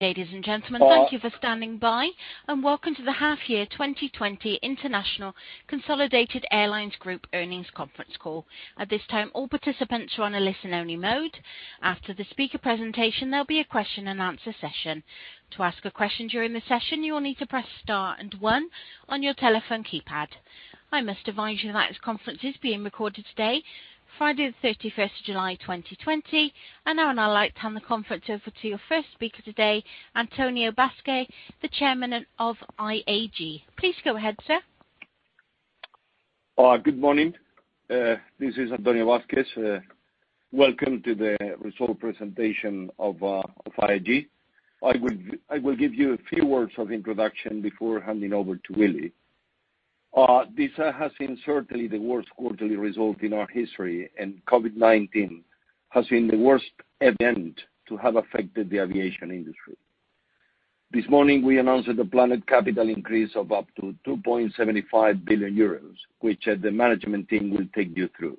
Ladies and gentlemen, thank you for standing by, welcome to the half-year 2020 International Consolidated Airlines Group earnings conference call. At this time, all participants are on a listen-only mode. After the speaker presentation, there'll be a question-and-answer session. To ask a question during the session, you will need to press star and one on your telephone keypad. I must advise you that this conference is being recorded today, Friday the 31st of July, 2020. Now I'd like to hand the conference over to your first speaker today, Antonio Vázquez, the Chairman of IAG. Please go ahead, sir. Good morning. This is Antonio Vázquez. Welcome to the result presentation of IAG. I will give you a few words of introduction before handing over to Willie. This has been certainly the worst quarterly result in our history. COVID-19 has been the worst event to have affected the aviation industry. This morning, we announced a planned capital increase of up to 2.75 billion euros, which the management team will take you through.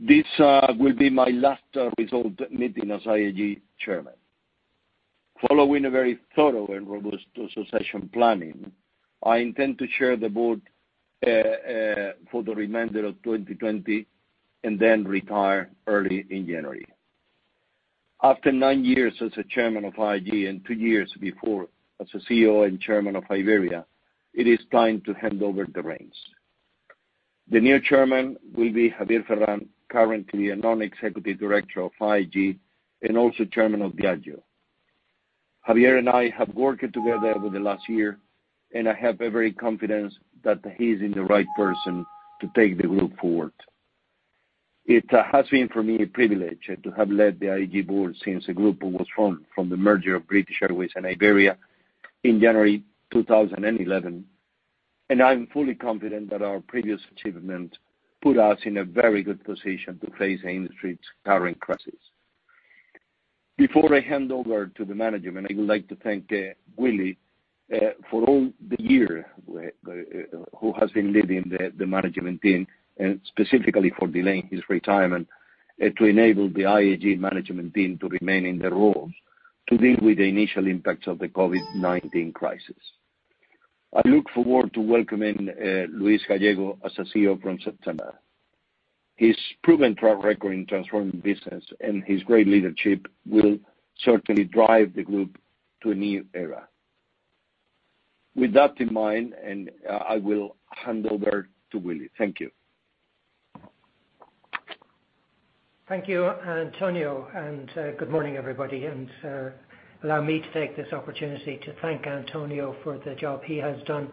This will be my last result meeting as IAG Chairman. Following a very thorough and robust succession planning, I intend to chair the board for the remainder of 2020 and then retire early in January. After nine years as a Chairman of IAG and two years before as a CEO and Chairman of Iberia, it is time to hand over the reins. The new chairman will be Javier Ferrán, currently a non-executive director of IAG and also chairman of Diageo. Javier and I have worked together over the last year, and I have every confidence that he's the right person to take the group forward. It has been for me, a privilege to have led the IAG board since the group was formed from the merger of British Airways and Iberia in January 2011. I'm fully confident that our previous achievement put us in a very good position to face the industry's current crisis. Before I hand over to the management, I would like to thank Willie for all the year, who has been leading the management team, and specifically for delaying his retirement to enable the IAG management team to remain in their roles to deal with the initial impacts of the COVID-19 crisis. I look forward to welcoming Luis Gallego as CEO from September. His proven track record in transforming business and his great leadership will certainly drive the group to a new era. With that in mind, I will hand over to Willie. Thank you. Thank you, Antonio. Good morning, everybody. Allow me to take this opportunity to thank Antonio for the job he has done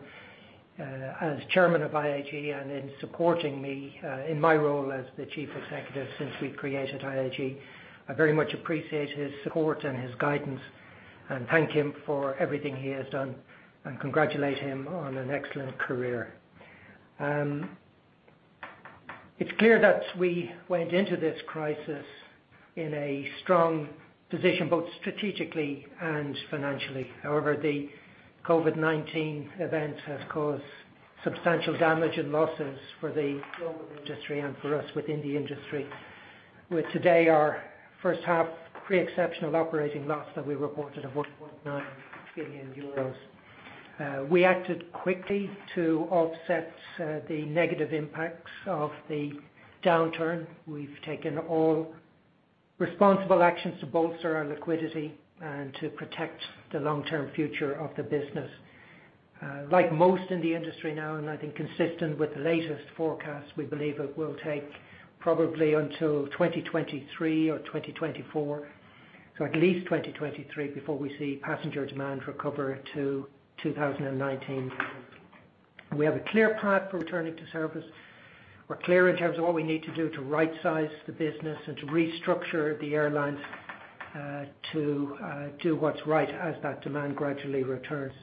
as chairman of IAG and in supporting me in my role as the chief executive since we created IAG. I very much appreciate his support and his guidance and thank him for everything he has done and congratulate him on an excellent career. It's clear that we went into this crisis in a strong position, both strategically and financially. However, the COVID-19 event has caused substantial damage and losses for the global industry and for us within the industry, with today our first half pre-exceptional operating loss that we reported of 1.9 billion euros. We acted quickly to offset the negative impacts of the downturn. We've taken all responsible actions to bolster our liquidity and to protect the long-term future of the business. Like most in the industry now, and I think consistent with the latest forecast, we believe it will take probably until 2023 or 2024, so at least 2023, before we see passenger demand recover to 2019 levels. We have a clear path for returning to service. We're clear in terms of what we need to do to right-size the business and to restructure the airlines to do what's right as that demand gradually returns.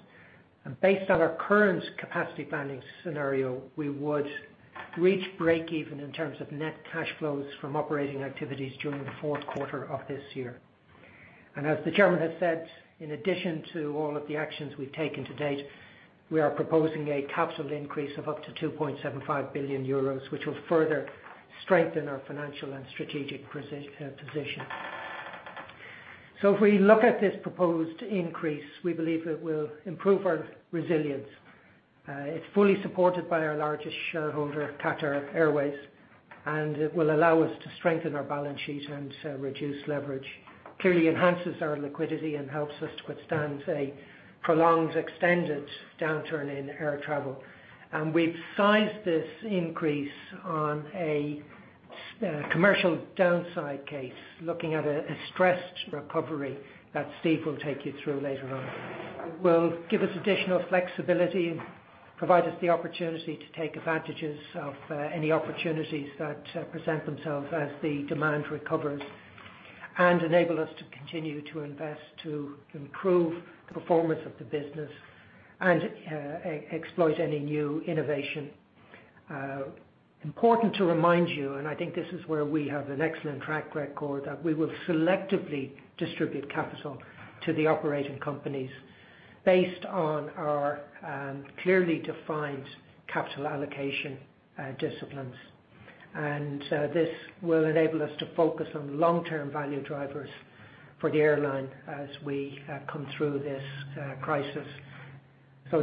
Based on our current capacity planning scenario, we would reach break-even in terms of net cash flows from operating activities during the fourth quarter of this year. As the chairman has said, in addition to all of the actions we've taken to date, we are proposing a capital increase of up to 2.75 billion euros, which will further strengthen our financial and strategic position. If we look at this proposed increase, we believe it will improve our resilience. It's fully supported by our largest shareholder, Qatar Airways, and it will allow us to strengthen our balance sheet and reduce leverage. Clearly enhances our liquidity and helps us to withstand a prolonged, extended downturn in air travel. We've sized this increase on a commercial downside case, looking at a stressed recovery that Steve will take you through later on. It will give us additional flexibility and provide us the opportunity to take advantages of any opportunities that present themselves as the demand recovers and enable us to continue to invest to improve the performance of the business and exploit any new innovation. Important to remind you, and I think this is where we have an excellent track record, that we will selectively distribute capital to the Operating companies based on our clearly defined capital allocation disciplines. This will enable us to focus on long-term value drivers for the airline as we come through this crisis.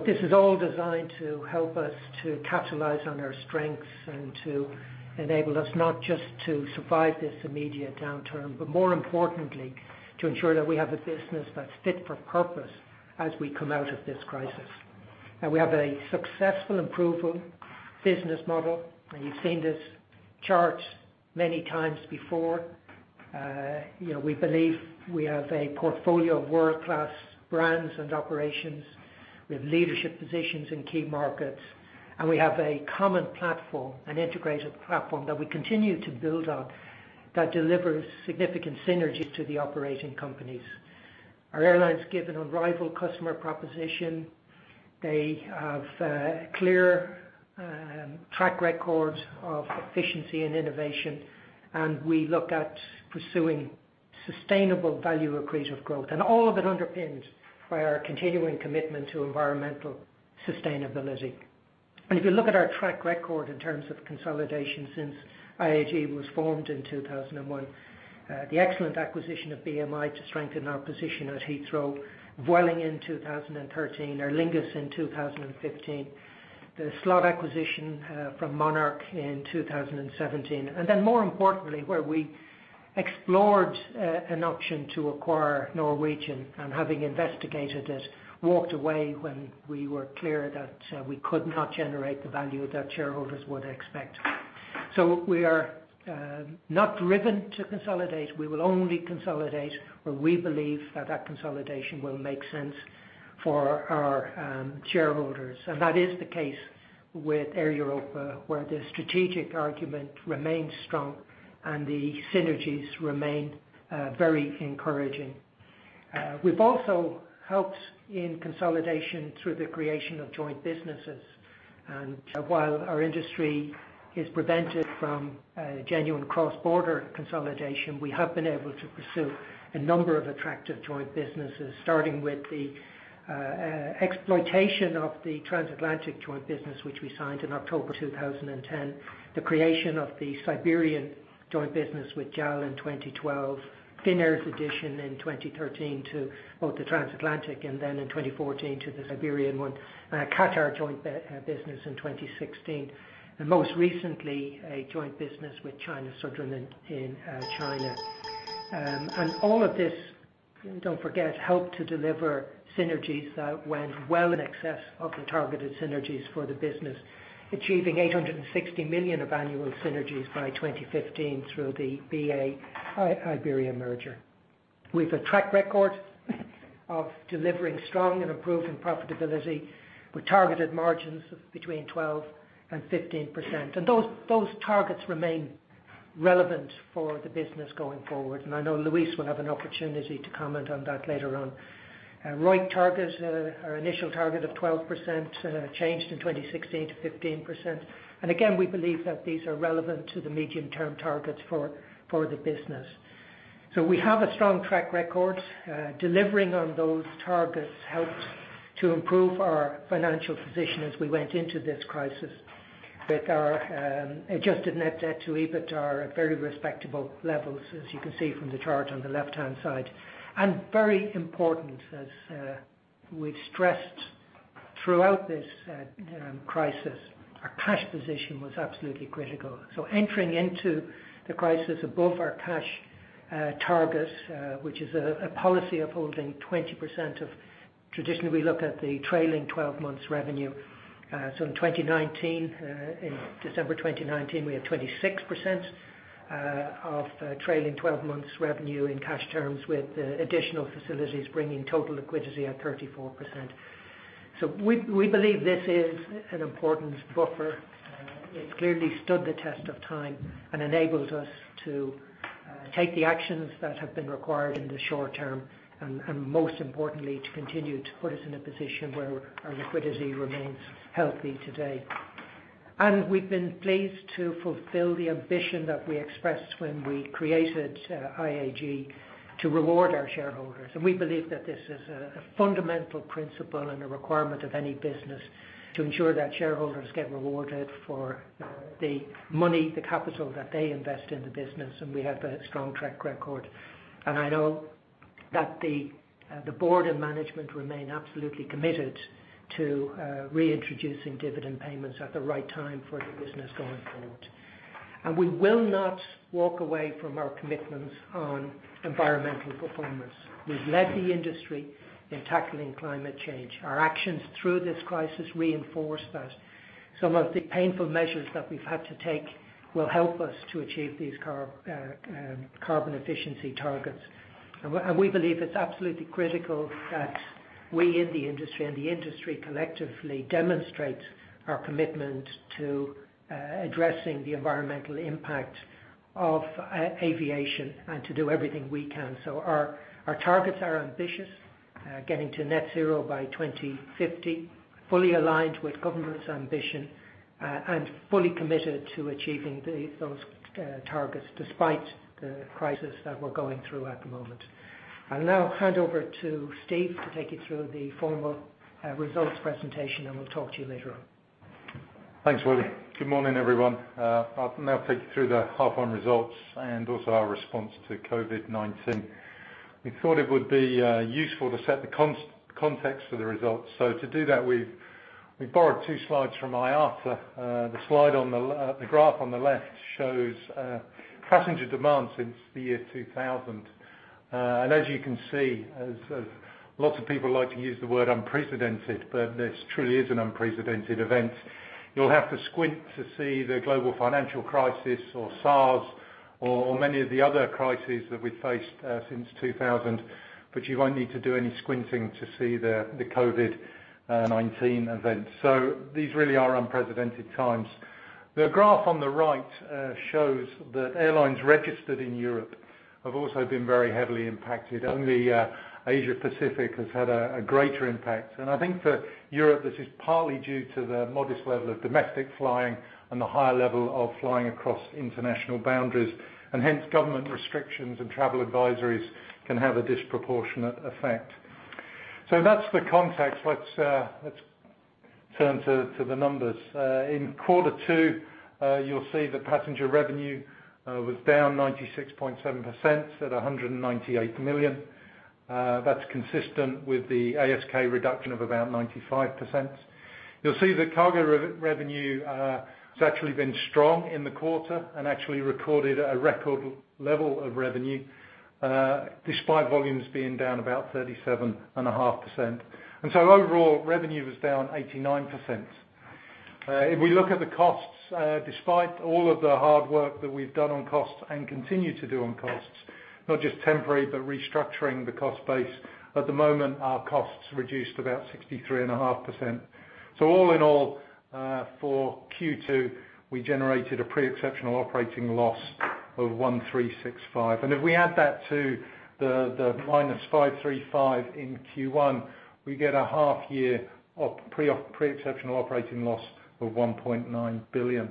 This is all designed to help us to capitalize on our strengths and to enable us not just to survive this immediate downturn, but more importantly, to ensure that we have a business that's fit for purpose as we come out of this crisis. We have a successful and proven business model. You've seen this chart many times before. We believe we have a portfolio of world-class brands and operations with leadership positions in key markets. We have a common platform, an integrated platform that we continue to build on that delivers significant synergies to the operating companies. Our airlines give an unrivaled customer proposition. They have a clear track record of efficiency and innovation, and we look at pursuing sustainable value accretive growth. All of it underpinned by our continuing commitment to environmental sustainability. If you look at our track record in terms of consolidation since IAG was formed in 2001, the excellent acquisition of BMI to strengthen our position at Heathrow, Vueling in 2013, Aer Lingus in 2015, the slot acquisition from Monarch Airlines in 2017. More importantly, where we explored an option to acquire Norwegian, and having investigated it, walked away when we were clear that we could not generate the value that shareholders would expect. We are not driven to consolidate. We will only consolidate where we believe that that consolidation will make sense for our shareholders. That is the case with Air Europa, where the strategic argument remains strong and the synergies remain very encouraging. We’ve also helped in consolidation through the creation of joint businesses. While our industry is prevented from genuine cross-border consolidation, we have been able to pursue a number of attractive joint businesses, starting with the exploitation of the Transatlantic Joint Business, which we signed in October 2010, the creation of the Siberian Joint Business with JAL in 2012, Finnair's addition in 2013 to both the Transatlantic and then in 2014 to the Siberian one, Qatar Joint Business in 2016, and most recently, a Joint Business with China Southern in China. All of this, don't forget, helped to deliver synergies that went well in excess of the targeted synergies for the business. Achieving 860 million of annual synergies by 2015 through the BA-Iberia merger. We have a track record of delivering strong and improving profitability with targeted margins of between 12%-15%. Those targets remain relevant for the business going forward. I know Luis will have an opportunity to comment on that later on. ROIC target, our initial target of 12% changed in 2016 to 15%. Again, we believe that these are relevant to the medium-term targets for the business. We have a strong track record. Delivering on those targets helped to improve our financial position as we went into this crisis with our adjusted net debt to EBITDA at very respectable levels, as you can see from the chart on the left-hand side. Very important, as we've stressed throughout this crisis, our cash position was absolutely critical. Entering into the crisis above our cash target, which is a policy of holding 20% of traditionally, we look at the trailing 12 months revenue. In 2019, in December 2019, we had 26% of trailing 12 months revenue in cash terms with additional facilities bringing total liquidity at 34%. We believe this is an important buffer. It's clearly stood the test of time and enables us to take the actions that have been required in the short term, and most importantly, to continue to put us in a position where our liquidity remains healthy today. We've been pleased to fulfill the ambition that we expressed when we created IAG to reward our shareholders. We believe that this is a fundamental principle and a requirement of any business to ensure that shareholders get rewarded for the money, the capital that they invest in the business, and we have a strong track record. I know that the board and management remain absolutely committed to reintroducing dividend payments at the right time for the business going forward. We will not walk away from our commitments on environmental performance. We've led the industry in tackling climate change. Our actions through this crisis reinforce that. Some of the painful measures that we've had to take will help us to achieve these carbon efficiency targets. We believe it's absolutely critical that we in the industry and the industry collectively demonstrate our commitment to addressing the environmental impact of aviation and to do everything we can. Our targets are ambitious, getting to net zero by 2050, fully aligned with government's ambition, and fully committed to achieving those targets despite the crisis that we're going through at the moment. I'll now hand over to Steve to take you through the formal results presentation, and we'll talk to you later on. Thanks, Willie. Good morning, everyone. I'll now take you through the half one results and also our response to COVID-19. We thought it would be useful to set the context for the results. To do that, we've borrowed two slides from IATA. The graph on the left shows passenger demand since the year 2000. As you can see, lots of people like to use the word unprecedented, but this truly is an unprecedented event. You'll have to squint to see the global financial crisis or SARS, or many of the other crises that we've faced since 2000, but you won't need to do any squinting to see the COVID-19 event. These really are unprecedented times. The graph on the right shows that airlines registered in Europe have also been very heavily impacted. Only Asia-Pacific has had a greater impact. I think for Europe, this is partly due to the modest level of domestic flying and the higher level of flying across international boundaries, hence government restrictions and travel advisories can have a disproportionate effect. That's the context. Let's turn to the numbers. In Q2, you'll see that passenger revenue was down 96.7% at 198 million. That's consistent with the ASK reduction of about 95%. You'll see that cargo revenue has actually been strong in the quarter and actually recorded a record level of revenue, despite volumes being down about 37.5%. Overall, revenue was down 89%. If we look at the costs, despite all of the hard work that we've done on costs and continue to do on costs, not just temporary, but restructuring the cost base, at the moment, our costs reduced about 63.5%. All in all, for Q2, we generated a pre-exceptional operating loss of 1,365. If we add that to the minus 535 in Q1, we get a half year of pre-exceptional operating loss of 1.9 billion.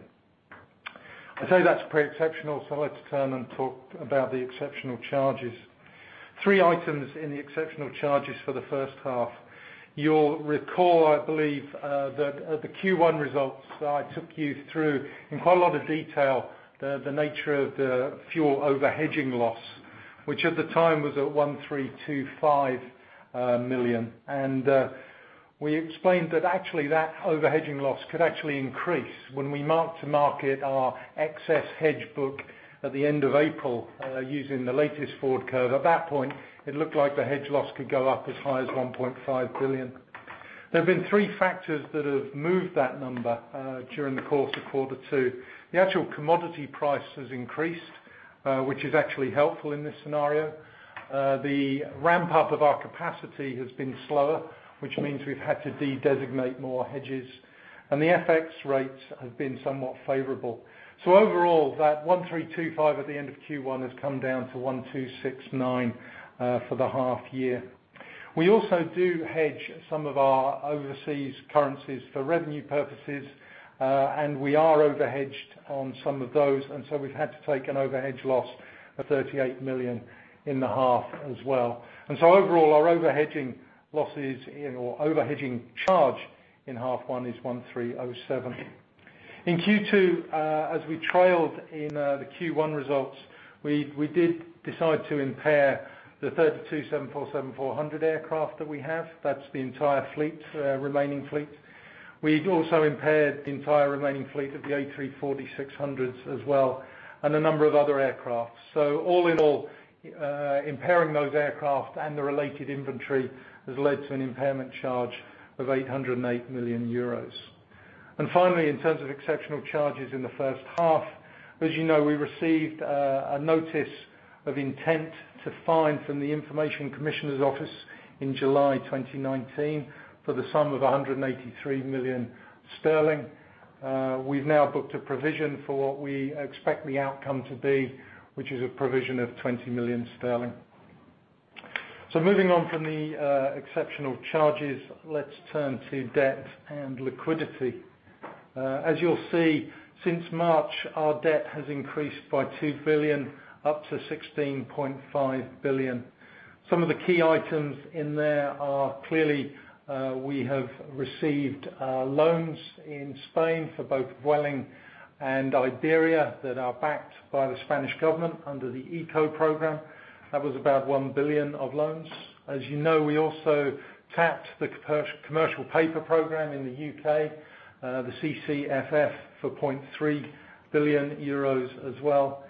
I say that's pre-exceptional, so let's turn and talk about the exceptional charges. Three items in the exceptional charges for the first half. You'll recall, I believe, that at the Q1 results, I took you through, in quite a lot of detail, the nature of the fuel over-hedging loss, which at the time was at 1,325 million. We explained that actually, that over-hedging loss could actually increase when we mark to market our excess hedge book at the end of April, using the latest forward curve. At that point, it looked like the hedge loss could go up as high as 1.5 billion. There have been three factors that have moved that number during the course of quarter two. The actual commodity price has increased, which is actually helpful in this scenario. The ramp-up of our capacity has been slower, which means we've had to de-designate more hedges. The FX rates have been somewhat favorable. Overall, that 1,325 at the end of Q1 has come down to 1,269 for the half year. We also do hedge some of our overseas currencies for revenue purposes. We are over-hedged on some of those. We've had to take an over-hedge loss of 38 million in the half as well. Overall, our over-hedging charge in half one is 1,307. In Q2, as we trailed in the Q1 results, we did decide to impair the 32 747-400 aircraft that we have. That's the entire remaining fleet. We've also impaired the entire remaining fleet of the A340-600s as well, and a number of other aircraft. All in all, impairing those aircraft and the related inventory has led to an impairment charge of 808 million euros. Finally, in terms of exceptional charges in the first half, as you know, we received a notice of intent to fine from the Information Commissioner's Office in July 2019 for the sum of 183 million sterling. We've now booked a provision for what we expect the outcome to be, which is a provision of 20 million sterling. Moving on from the exceptional charges, let's turn to debt and liquidity. As you'll see, since March, our debt has increased by 2 billion up to 16.5 billion. Some of the key items in there are clearly, we have received loans in Spain for both Vueling and Iberia that are backed by the Spanish government under the ICO program. That was about 1 billion of loans. As you know, we also tapped the commercial paper program in the U.K., the CCFF, for 0.3 billion euros as well.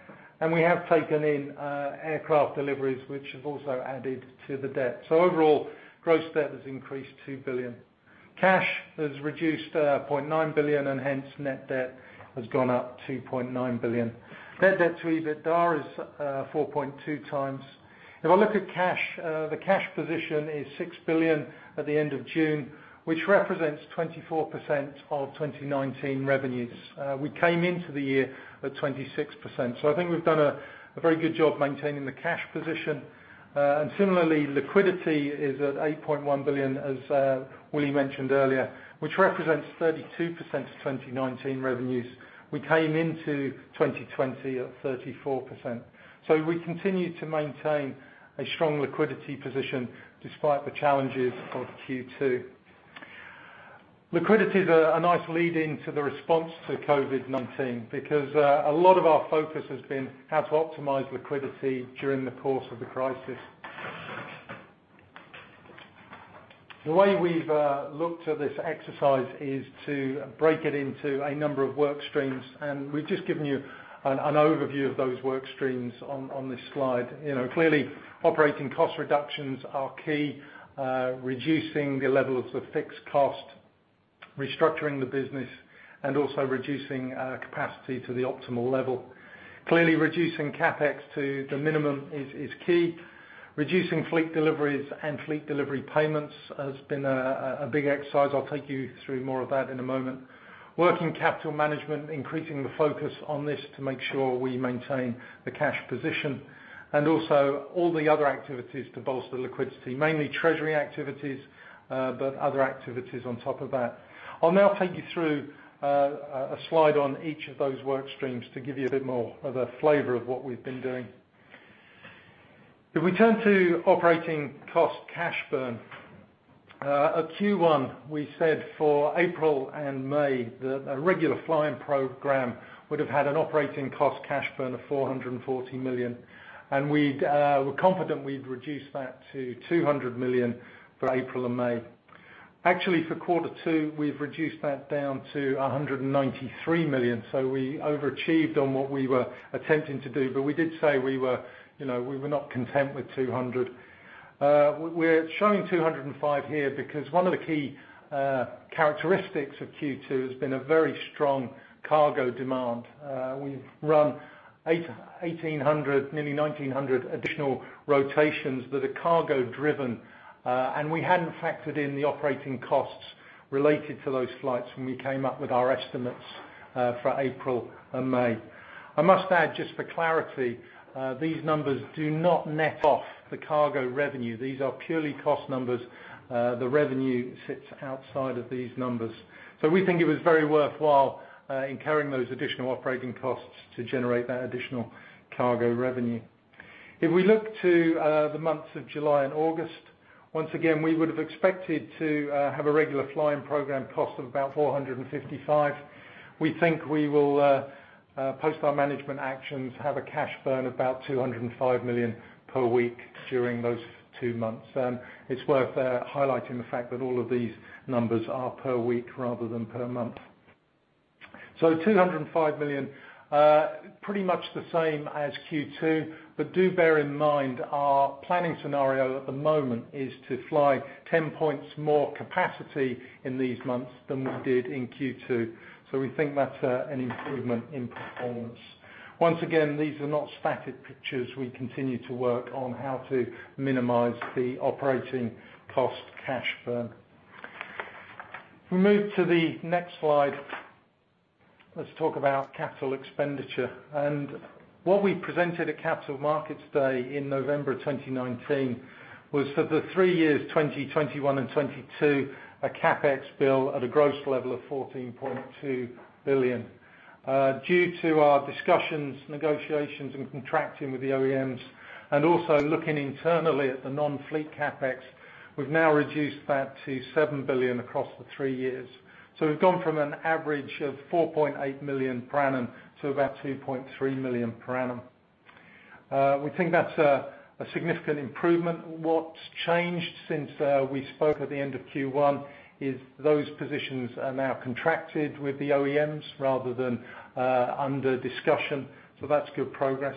We have taken in aircraft deliveries, which have also added to the debt. Overall, gross debt has increased 2 billion. Cash has reduced 0.9 billion, hence net debt has gone up 2.9 billion. Net debt to EBITDA is 4.2x. If I look at cash, the cash position is 6 billion at the end of June, which represents 24% of 2019 revenues. We came into the year at 26%. I think we've done a very good job maintaining the cash position. Similarly, liquidity is at 8.1 billion, as Willie mentioned earlier, which represents 32% of 2019 revenues. We came into 2020 at 34%. We continue to maintain a strong liquidity position despite the challenges of Q2. Liquidity is a nice lead-in to the response to COVID-19, because a lot of our focus has been how to optimize liquidity during the course of the crisis. The way we've looked at this exercise is to break it into a number of work streams, and we've just given you an overview of those work streams on this slide. Clearly, operating cost reductions are key. Reducing the level of the fixed cost, restructuring the business, and also reducing our capacity to the optimal level. Clearly, reducing CapEx to the minimum is key. Reducing fleet deliveries and fleet delivery payments has been a big exercise. I'll take you through more of that in a moment. Working capital management, increasing the focus on this to make sure we maintain the cash position, and also all the other activities to bolster liquidity. Other activities on top of that. I'll now take you through a slide on each of those work streams to give you a bit more of a flavor of what we've been doing. If we turn to operating cost cash burn. At Q1, we said for April and May, the regular flying program would've had an operating cost cash burn of 440 million. We're confident we'd reduce that to 200 million for April and May. Actually, for quarter two, we've reduced that down to 193 million, so we overachieved on what we were attempting to do. We did say we were not content with 200. We're showing 205 here, because one of the key characteristics of Q2 has been a very strong cargo demand. We've run 1,800, nearly 1,900 additional rotations that are cargo driven. We hadn't factored in the operating costs related to those flights when we came up with our estimates for April and May. I must add, just for clarity, these numbers do not net off the cargo revenue. These are purely cost numbers. The revenue sits outside of these numbers. We think it was very worthwhile incurring those additional operating costs to generate that additional cargo revenue. If we look to the months of July and August, once again, we would've expected to have a regular flying program cost of about 455. We think we will, post our management actions, have a cash burn of about 205 million per week during those two months. It's worth highlighting the fact that all of these numbers are per week rather than per month. 205 million, pretty much the same as Q2. Do bear in mind, our planning scenario at the moment is to fly 10 points more capacity in these months than we did in Q2. We think that's an improvement in performance. Once again, these are not static pictures. We continue to work on how to minimize the operating cost cash burn. If we move to the next slide, let's talk about capital expenditure. What we presented at Capital Markets Day in November 2019, was for the three years, 2020, 2021, and 2022, a CapEx bill at a gross level of 14.2 billion. Due to our discussions, negotiations, and contracting with the OEMs, and also looking internally at the non-fleet CapEx, we've now reduced that to 7 billion across the three years. We've gone from an average of 4.8 million per annum to about 2.3 million per annum. We think that's a significant improvement. What's changed since we spoke at the end of Q1, is those positions are now contracted with the OEMs rather than under discussion. That's good progress.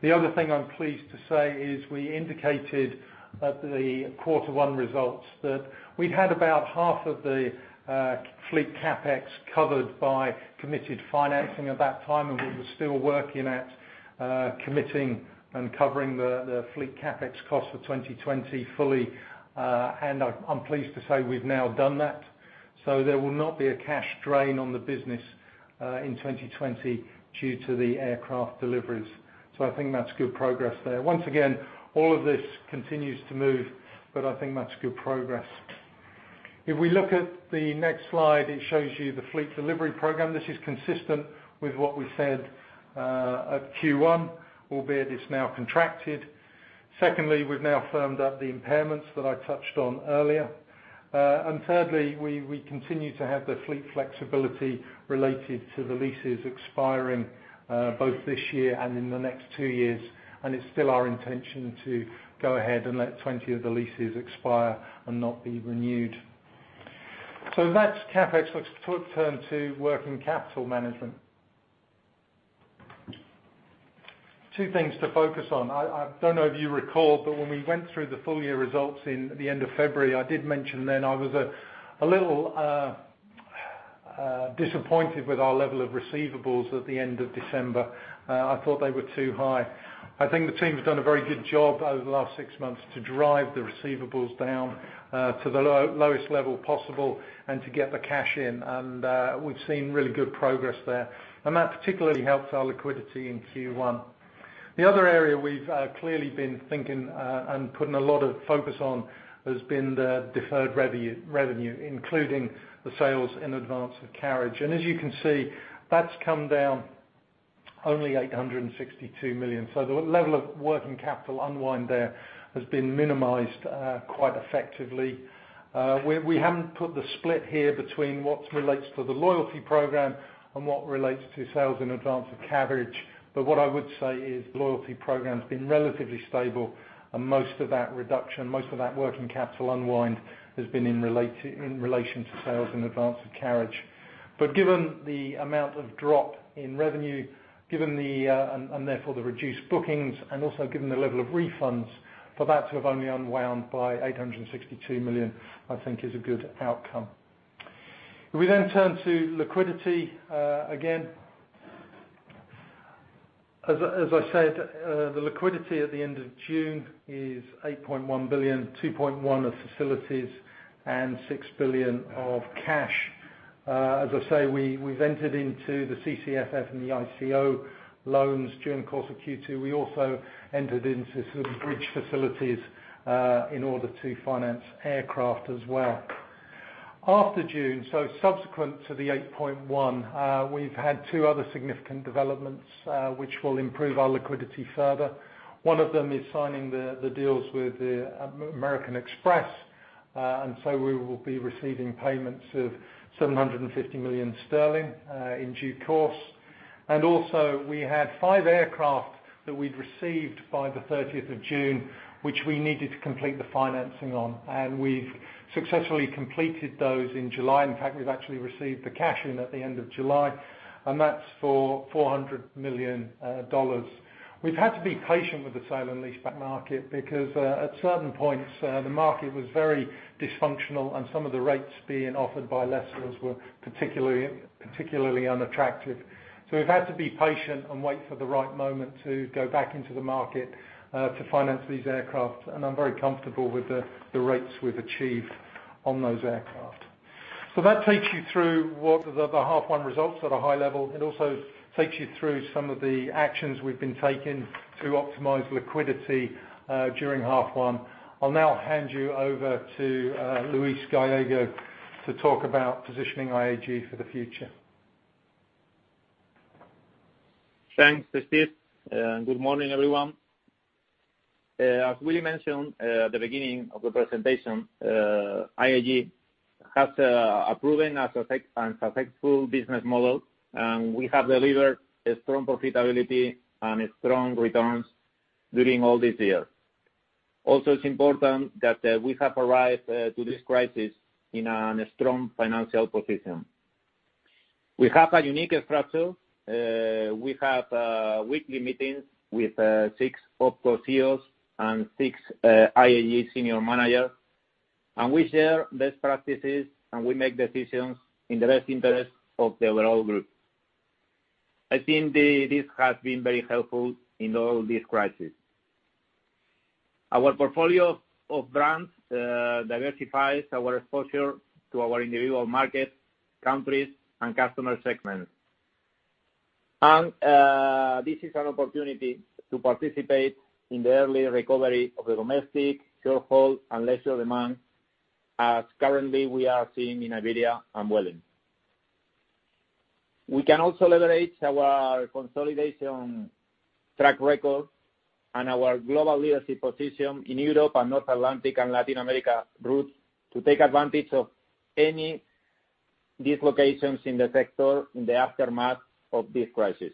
The other thing I'm pleased to say is we indicated at the quarter one results that we had about half of the fleet CapEx covered by committed financing at that time, and we were still working at committing and covering the fleet CapEx cost for 2020 fully. I'm pleased to say we've now done that. There will not be a cash drain on the business in 2020 due to the aircraft deliveries. I think that's good progress there. Once again, all of this continues to move, but I think that's good progress. If we look at the next slide, it shows you the fleet delivery program. This is consistent with what we said at Q1, albeit it's now contracted. Secondly, we've now firmed up the impairments that I touched on earlier. Thirdly, we continue to have the fleet flexibility related to the leases expiring both this year and in the next two years, and it's still our intention to go ahead and let 20 of the leases expire and not be renewed. That's CapEx. Let's turn to working capital management. Two things to focus on. I don't know if you recall, but when we went through the full year results at the end of February, I did mention then I was a little disappointed with our level of receivables at the end of December. I thought they were too high. I think the team's done a very good job over the last six months to drive the receivables down to the lowest level possible and to get the cash in. We've seen really good progress there, and that particularly helped our liquidity in Q1. The other area we've clearly been thinking and putting a lot of focus on has been the deferred revenue, including the sales in advance of carriage. As you can see, that's come down only 862 million. The level of working capital unwind there has been minimized quite effectively. We haven't put the split here between what relates to the loyalty program and what relates to sales in advance of carriage. What I would say is loyalty program's been relatively stable, and most of that reduction, most of that working capital unwind, has been in relation to sales in advance of carriage. Given the amount of drop in revenue, and therefore the reduced bookings, and also given the level of refunds, for that to have only unwound by 862 million, I think is a good outcome. We turn to liquidity. Again, as I said, the liquidity at the end of June is 8.1 billion, 2.1 billion of facilities and 6 billion of cash. As I say, we've entered into the CCFF and the ICO loans during the course of Q2. We also entered into some bridge facilities in order to finance aircraft as well. After June, subsequent to the 8.1, we've had two other significant developments, which will improve our liquidity further. One of them is signing the deals with American Express. We will be receiving payments of 750 million sterling, in due course. We had five aircraft that we'd received by the 30th of June, which we needed to complete the financing on, and we've successfully completed those in July. In fact, we've actually received the cash in at the end of July. That's for $400 million. We've had to be patient with the sale and leaseback market because, at certain points, the market was very dysfunctional and some of the rates being offered by lessors were particularly unattractive. We've had to be patient and wait for the right moment to go back into the market, to finance these aircraft. I'm very comfortable with the rates we've achieved on those aircraft. That takes you through what the half one results at a high level. It also takes you through some of the actions we've been taking to optimize liquidity during half one. I'll now hand you over to Luis Gallego to talk about positioning IAG for the future. Thanks, Steve. Good morning, everyone. As Willie mentioned, at the beginning of the presentation, IAG has a proven and successful business model. We have delivered a strong profitability and strong returns during all these years. Also, it's important that we have arrived to this crisis in a strong financial position. We have a unique structure. We have weekly meetings with six OpCo CEOs and six IAG senior managers. We share best practices, and we make decisions in the best interest of the overall group. I think this has been very helpful in all these crises. Our portfolio of brands diversifies our exposure to our individual markets, countries, and customer segments. This is an opportunity to participate in the early recovery of the domestic, short-haul, and leisure demand, as currently we are seeing in Iberia and Vueling. We can also leverage our consolidation track record and our global leadership position in Europe and North Atlantic and Latin America routes to take advantage of any dislocations in the sector in the aftermath of this crisis.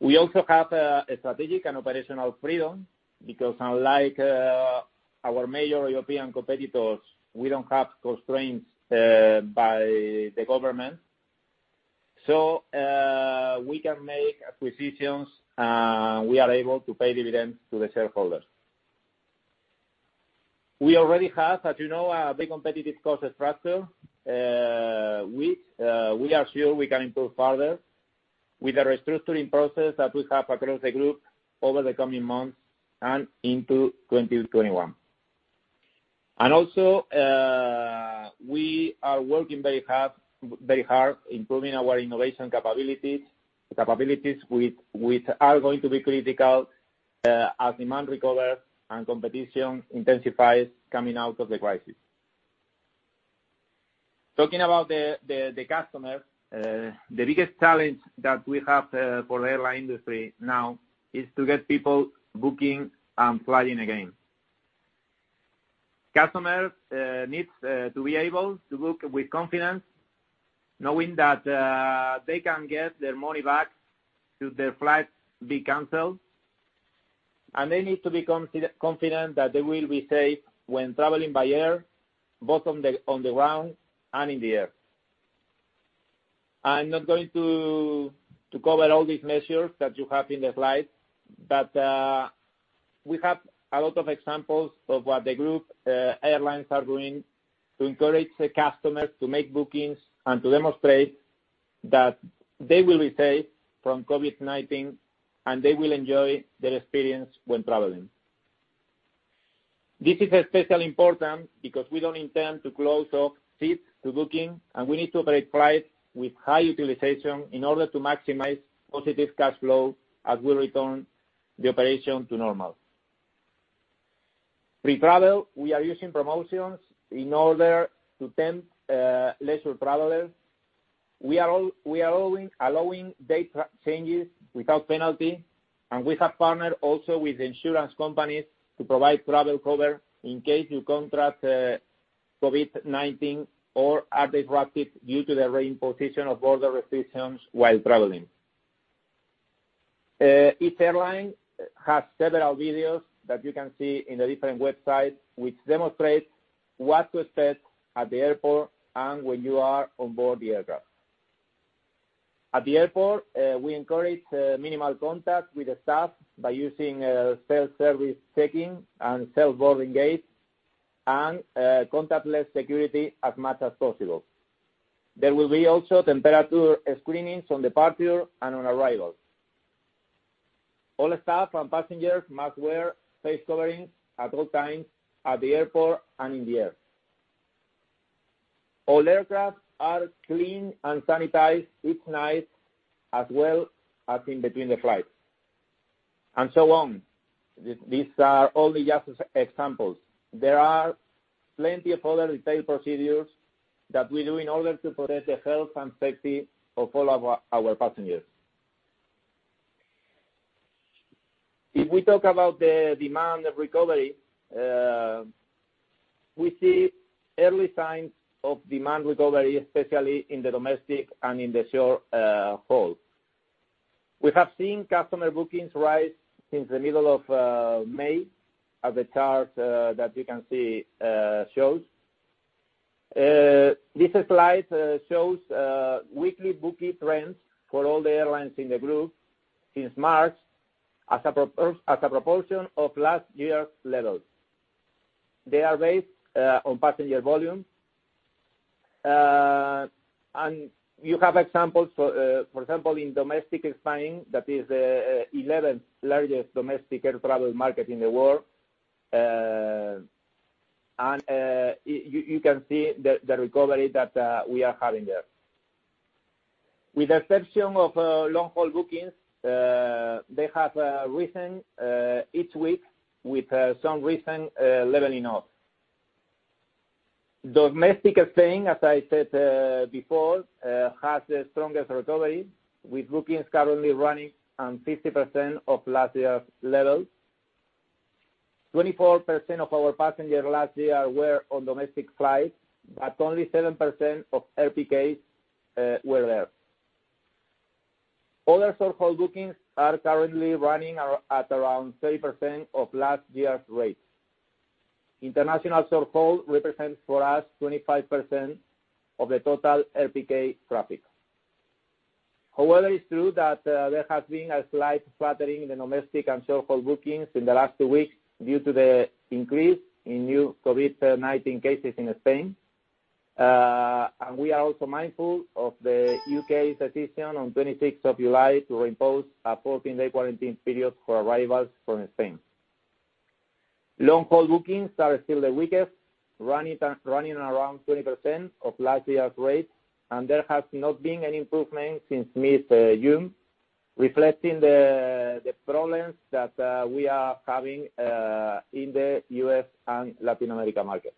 We also have a strategic and operational freedom because unlike our major European competitors, we don't have constraints by the government. We can make acquisitions, and we are able to pay dividends to the shareholders. We already have, as you know, a big competitive cost structure. We are sure we can improve further with the restructuring process that we have across the group over the coming months and into 2021. We are working very hard improving our innovation capabilities, which are going to be critical, as demand recovers and competition intensifies coming out of the crisis. Talking about the customers, the biggest challenge that we have for the airline industry now is to get people booking and flying again. Customers need to be able to book with confidence, knowing that they can get their money back should their flight be canceled. They need to be confident that they will be safe when traveling by air, both on the ground and in the air. I'm not going to cover all these measures that you have in the slide, but we have a lot of examples of what the group airlines are doing to encourage the customers to make bookings and to demonstrate that they will be safe from COVID-19, and they will enjoy their experience when traveling. This is especially important because we don't intend to close off seats to booking. We need to operate flights with high utilization in order to maximize positive cash flow as we return the operation to normal. Pre-travel, we are using promotions in order to tempt leisure travelers. We are allowing date changes without penalty. We have partnered also with insurance companies to provide travel cover in case you contract COVID-19 or are disrupted due to the reimposition of border restrictions while traveling. Each airline has several videos that you can see in the different websites, which demonstrate what to expect at the airport and when you are on board the aircraft. At the airport, we encourage minimal contact with the staff by using self-service check-in and self-boarding gates and contactless security as much as possible. There will be also temperature screenings on departure and on arrival. All staff and passengers must wear face coverings at all times, at the airport and in the air. All aircraft are cleaned and sanitized each night as well as in between the flights, and so on. These are only just examples. There are plenty of other detailed procedures that we do in order to protect the health and safety of all our passengers. If we talk about the demand of recovery, we see early signs of demand recovery, especially in the domestic and in the short-haul. We have seen customer bookings rise since the middle of May as the chart that you can see shows. This slide shows weekly booking trends for all the airlines in the group since March as a proportion of last year's levels. They are based on passenger volume. You have examples, for example, in domestic Spain, that is the 11th largest domestic air travel market in the world, and you can see the recovery that we are having there. With the exception of long-haul bookings, they have risen each week with some recent leveling off. Domestic Spain, as I said before, has the strongest recovery, with bookings currently running on 50% of last year's levels. 24% of our passengers last year were on domestic flights, but only 7% of RPKs were there. Other short-haul bookings are currently running at around 30% of last year's rates. International short-haul represents for us 25% of the total RPK traffic. However, it's true that there has been a slight flattening in the domestic and short-haul bookings in the last two weeks due to the increase in new COVID-19 cases in Spain. We are also mindful of the U.K.'s decision on 26th of July to reimpose a 14-day quarantine period for arrivals from Spain. Long-haul bookings are still the weakest, running around 20% of last year's rates, and there has not been any improvement since mid-June, reflecting the problems that we are having in the U.S. and Latin America markets.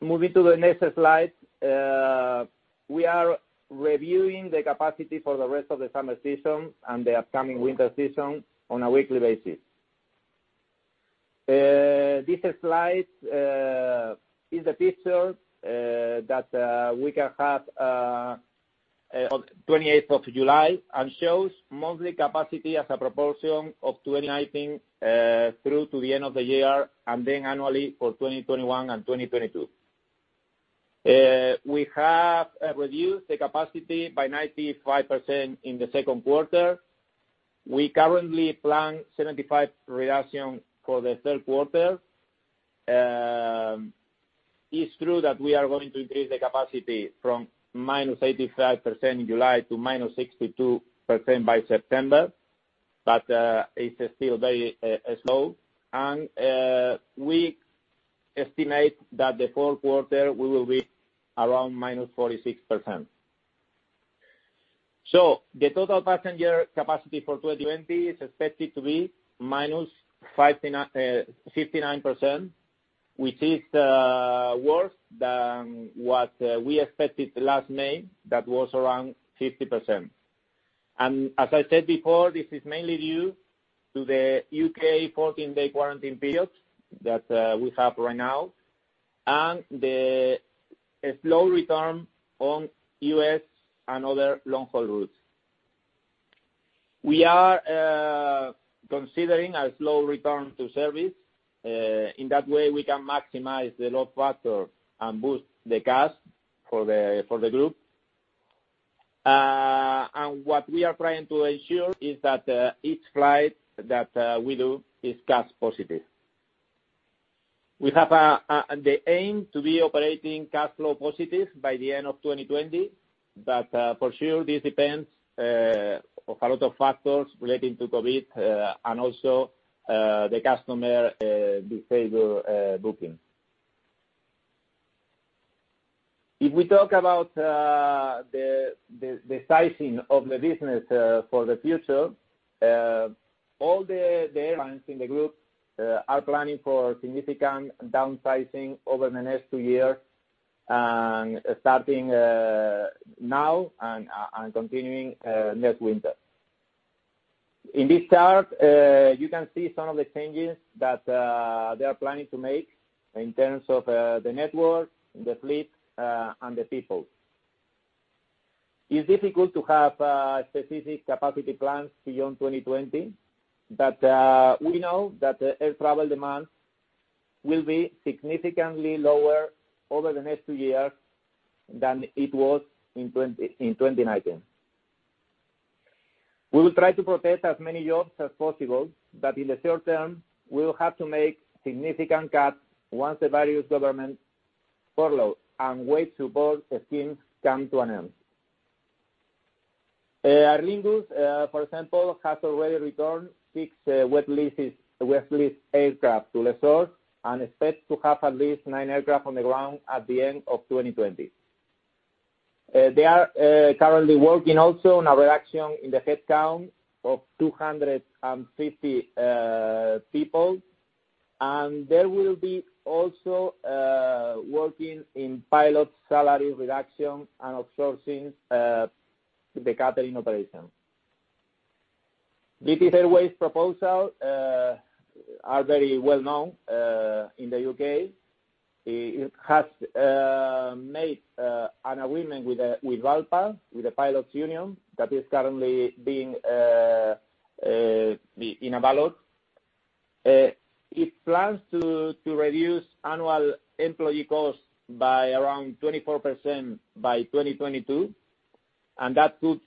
Moving to the next slide. We are reviewing the capacity for the rest of the summer season and the upcoming winter season on a weekly basis. This slide is the picture that we can have on 28th of July and shows monthly capacity as a proportion of 2019 through to the end of the year, and then annually for 2021 and 2022. We have reduced the capacity by 95% in the second quarter. We currently plan 75 reduction for the third quarter. It's true that we are going to increase the capacity from -85% in July to -62% by September. It's still very slow. We estimate that the fourth quarter, we will be around -46%. The total passenger capacity for 2020 is expected to be -59%, which is worse than what we expected last May. That was around 50%. As I said before, this is mainly due to the U.K. 14-day quarantine period that we have right now and the slow return on U.S. and other long-haul routes. We are considering a slow return to service. In that way, we can maximize the load factor and boost the cash for the group. What we are trying to ensure is that each flight that we do is cash positive. We have the aim to be operating cash flow positive by the end of 2020, for sure, this depends on a lot of factors relating to COVID-19 and also the customer behavior booking. If we talk about the sizing of the business for the future, all the airlines in the group are planning for significant downsizing over the next two years, starting now and continuing next winter. In this chart, you can see some of the changes that they are planning to make in terms of the network, the fleet, and the people. It's difficult to have specific capacity plans beyond 2020, we know that air travel demand will be significantly lower over the next two years than it was in 2019. We will try to protect as many jobs as possible. In the short term, we will have to make significant cuts once the various government furlough and wage support schemes come to an end. Aer Lingus, for example, has already returned six wet-leased aircraft to lessors and expects to have at least nine aircraft on the ground at the end of 2020. They are currently working also on a reduction in the headcount of 250 people. They will be also working in pilot salary reduction and outsourcing the catering operation. British Airways' proposals are very well-known in the U.K. It has made an agreement with BALPA, with the pilots union, that is currently being in a ballot. It plans to reduce annual employee costs by around 24% by 2022. That could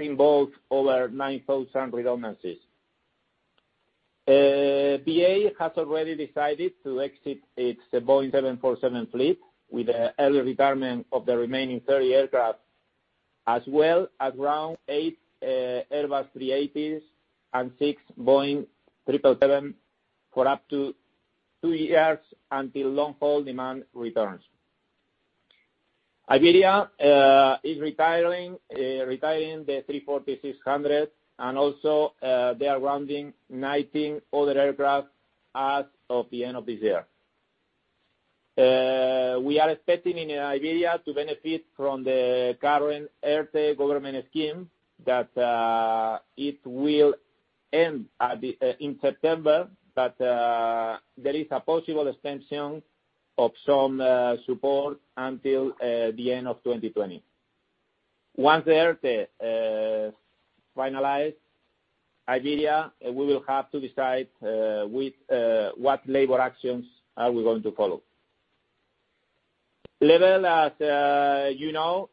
involve over 9,000 redundancies. BA has already decided to exit its Boeing 747 fleet with the early retirement of the remaining 30 aircraft, as well as ground eight Airbus A380s and six Boeing 777s for up to two years until long-haul demand returns. Iberia is retiring the A340-600s. They are grounding 19 other aircraft as of the end of this year. We are expecting Iberia to benefit from the current ERTE government scheme that it will end in September. There is a possible extension of some support until the end of 2020. Once ERTE finalized, Iberia will have to decide what labor actions are we going to follow. Level, as you know,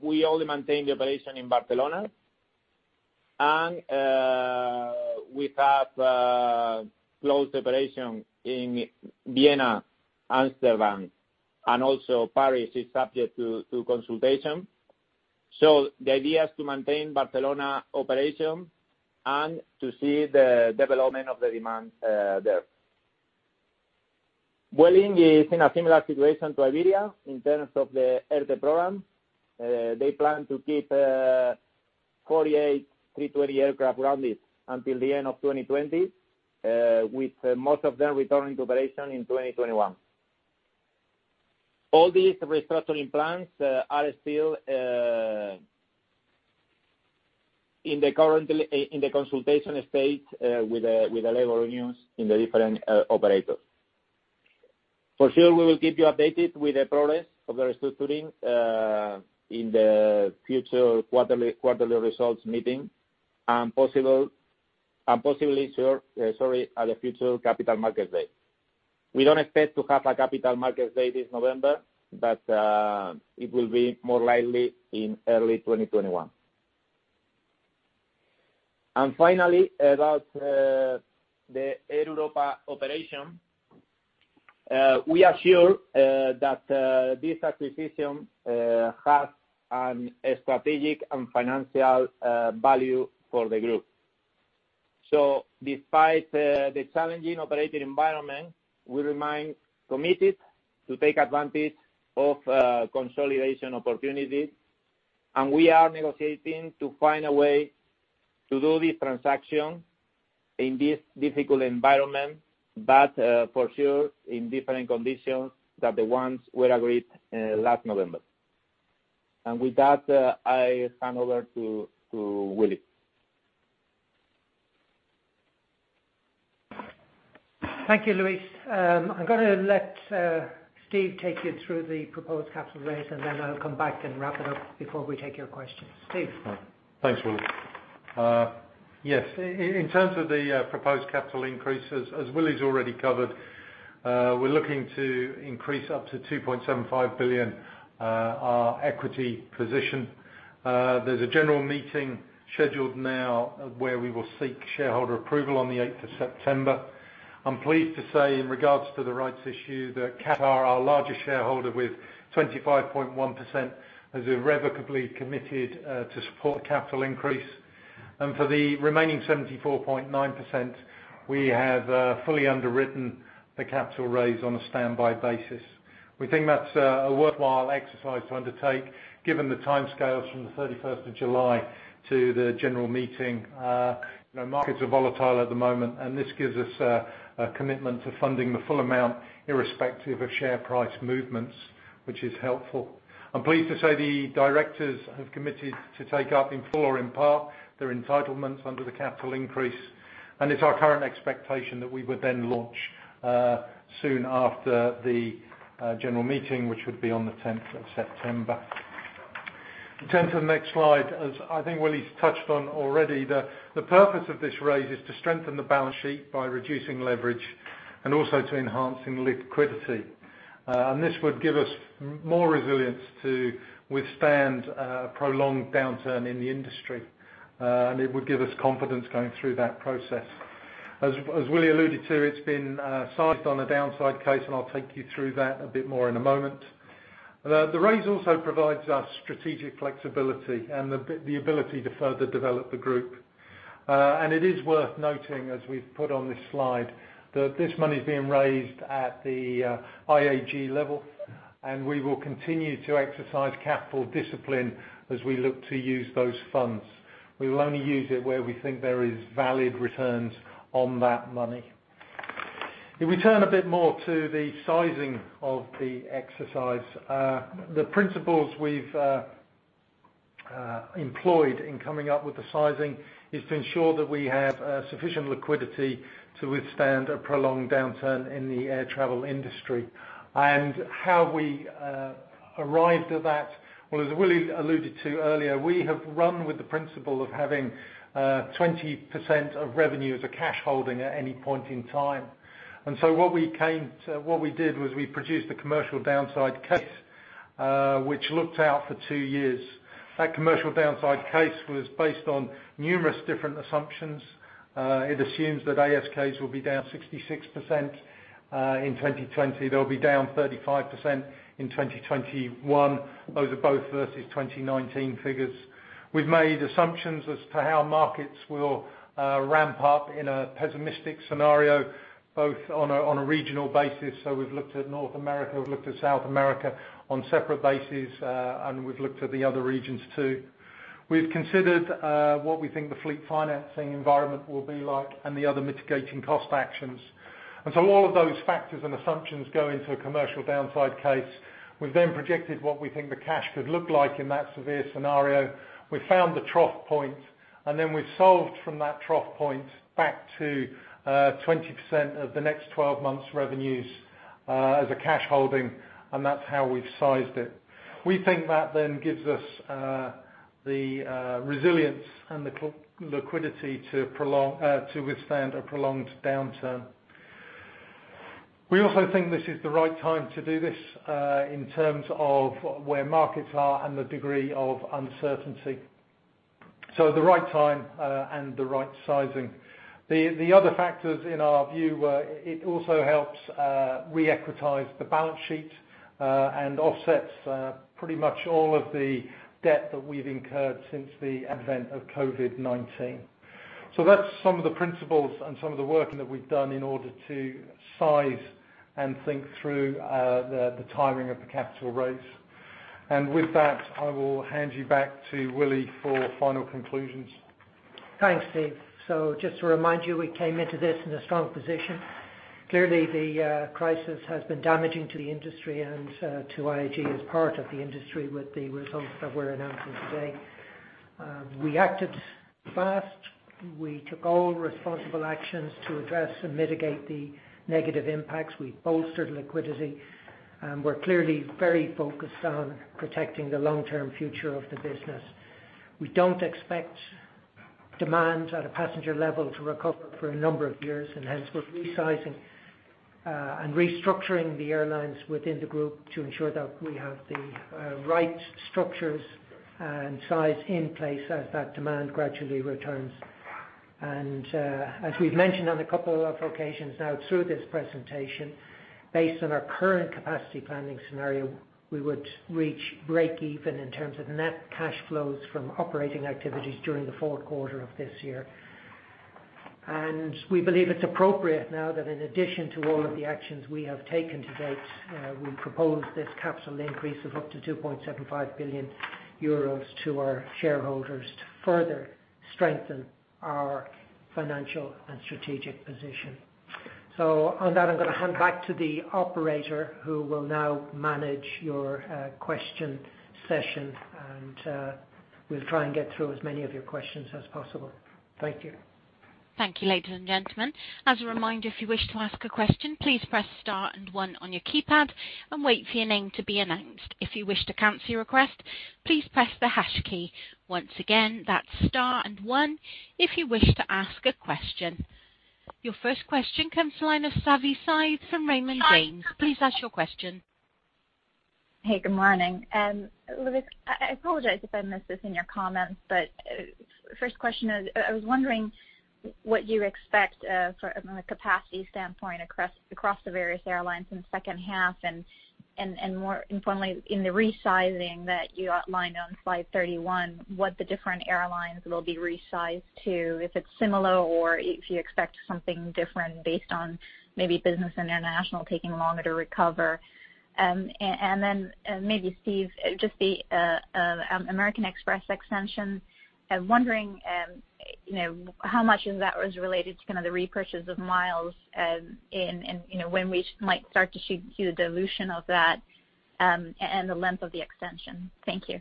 we only maintain the operation in Barcelona. We have closed the operation in Vienna, Amsterdam, and also Paris is subject to consultation. The idea is to maintain Barcelona operation and to see the development of the demand there. Vueling is in a similar situation to Iberia in terms of the ERTE program. They plan to keep 48 A320 aircraft grounded until the end of 2020, with most of them returning to operation in 2021. All these restructuring plans are still in the consultation stage with the labor unions in the different operators. For sure, we will keep you updated with the progress of the restructuring in the future quarterly results meeting, and possibly at a future Capital Markets Day. We don't expect to have a Capital Markets Day this November, but it will be more likely in early 2021. Finally, about the Air Europa operation, we are sure that this acquisition has a strategic and financial value for the group. Despite the challenging operating environment, we remain committed to take advantage of consolidation opportunities, and we are negotiating to find a way to do this transaction in this difficult environment, but for sure, in different conditions than the ones were agreed last November. With that, I hand over to Willie. Thank you, Luis. I'm going to let Steve take you through the proposed capital raise, and then I'll come back and wrap it up before we take your questions. Steve? Thanks, Willie. Yes. In terms of the proposed capital increases, as Willie's already covered, we're looking to increase up to 2.75 billion our equity position. There's a general meeting scheduled now where we will seek shareholder approval on the 8th of September. I'm pleased to say, in regards to the rights issue, that Qatar, our largest shareholder with 25.1%, has irrevocably committed to support the capital increase. For the remaining 74.9%, we have fully underwritten the capital raise on a standby basis. We think that's a worthwhile exercise to undertake given the timescales from the 31st of July to the general meeting. Markets are volatile at the moment, and this gives us a commitment to funding the full amount irrespective of share price movements, which is helpful. I'm pleased to say the directors have committed to take up in full or in part their entitlements under the capital increase. It's our current expectation that we would then launch soon after the general meeting, which would be on the 10th of September. In terms of the next slide, as I think Willie's touched on already, the purpose of this raise is to strengthen the balance sheet by reducing leverage and also to enhancing liquidity. This would give us more resilience to withstand a prolonged downturn in the industry. It would give us confidence going through that process. As Willie alluded to, it's been sized on a downside case, and I'll take you through that a bit more in a moment. The raise also provides us strategic flexibility and the ability to further develop the group. It is worth noting as we've put on this slide, that this money is being raised at the IAG level, we will continue to exercise capital discipline as we look to use those funds. We will only use it where we think there is valid returns on that money. If we turn a bit more to the sizing of the exercise. The principles we've employed in coming up with the sizing is to ensure that we have sufficient liquidity to withstand a prolonged downturn in the air travel industry. How we arrived at that, well, as Willie alluded to earlier, we have run with the principle of having 20% of revenue as a cash holding at any point in time. What we did was we produced a commercial downside case, which looked out for two years. That commercial downside case was based on numerous different assumptions. It assumes that ASKs will be down 66% in 2020. They'll be down 35% in 2021. Those are both versus 2019 figures. We've made assumptions as to how markets will ramp up in a pessimistic scenario, both on a regional basis. We've looked at North America, we've looked at South America on separate bases, and we've looked at the other regions too. We've considered what we think the fleet financing environment will be like and the other mitigating cost actions. All of those factors and assumptions go into a commercial downside case. We've then projected what we think the cash could look like in that severe scenario. We found the trough point. Then we solved from that trough point back to 20% of the next 12 months revenues, as a cash holding. That's how we've sized it. We think that then gives us the resilience and the liquidity to withstand a prolonged downturn. We also think this is the right time to do this, in terms of where markets are and the degree of uncertainty. The right time, the right sizing. The other factors in our view, it also helps reequitize the balance sheet, and offsets pretty much all of the debt that we've incurred since the advent of COVID-19. That's some of the principles and some of the work that we've done in order to size and think through the timing of the capital raise. With that, I will hand you back to Willie for final conclusions. Thanks, Steve. Just to remind you, we came into this in a strong position. Clearly, the crisis has been damaging to the industry and to IAG as part of the industry with the results that we're announcing today. We acted fast. We took all responsible actions to address and mitigate the negative impacts. We bolstered liquidity. We're clearly very focused on protecting the long-term future of the business. We don't expect demand at a passenger level to recover for a number of years. Hence, we're resizing and restructuring the airlines within the group to ensure that we have the right structures and size in place as that demand gradually returns. As we've mentioned on a couple of occasions now through this presentation, based on our current capacity planning scenario, we would reach breakeven in terms of net cash flows from operating activities during the fourth quarter of this year. We believe it's appropriate now that in addition to all of the actions we have taken to date, we propose this capital increase of up to 2.75 billion euros to our shareholders to further strengthen our financial and strategic position. On that, I'm going to hand back to the operator who will now manage your question session and, we'll try and get through as many of your questions as possible. Thank you. Thank you, ladies and gentlemen. As a reminder, if you wish to ask a question, please press star and one on your keypad and wait for your name to be announced. If you wish to cancel your request, please press the hash key. Once again, that's star and one if you wish to ask a question. Your first question comes the line of Savanthi Syth from Raymond James. Please ask your question. Hey, good morning. Luis, I apologize if I missed this in your comments, but first question is, I was wondering what you expect from a capacity standpoint across the various airlines in the second half and more informally in the resizing that you outlined on slide 31, what the different airlines will be resized to, if it's similar or if you expect something different based on maybe business and international taking longer to recover. Then maybe Steve, just the American Express extension. I'm wondering how much of that was related to the repurchase of miles, and when we might start to see the dilution of that, and the length of the extension. Thank you.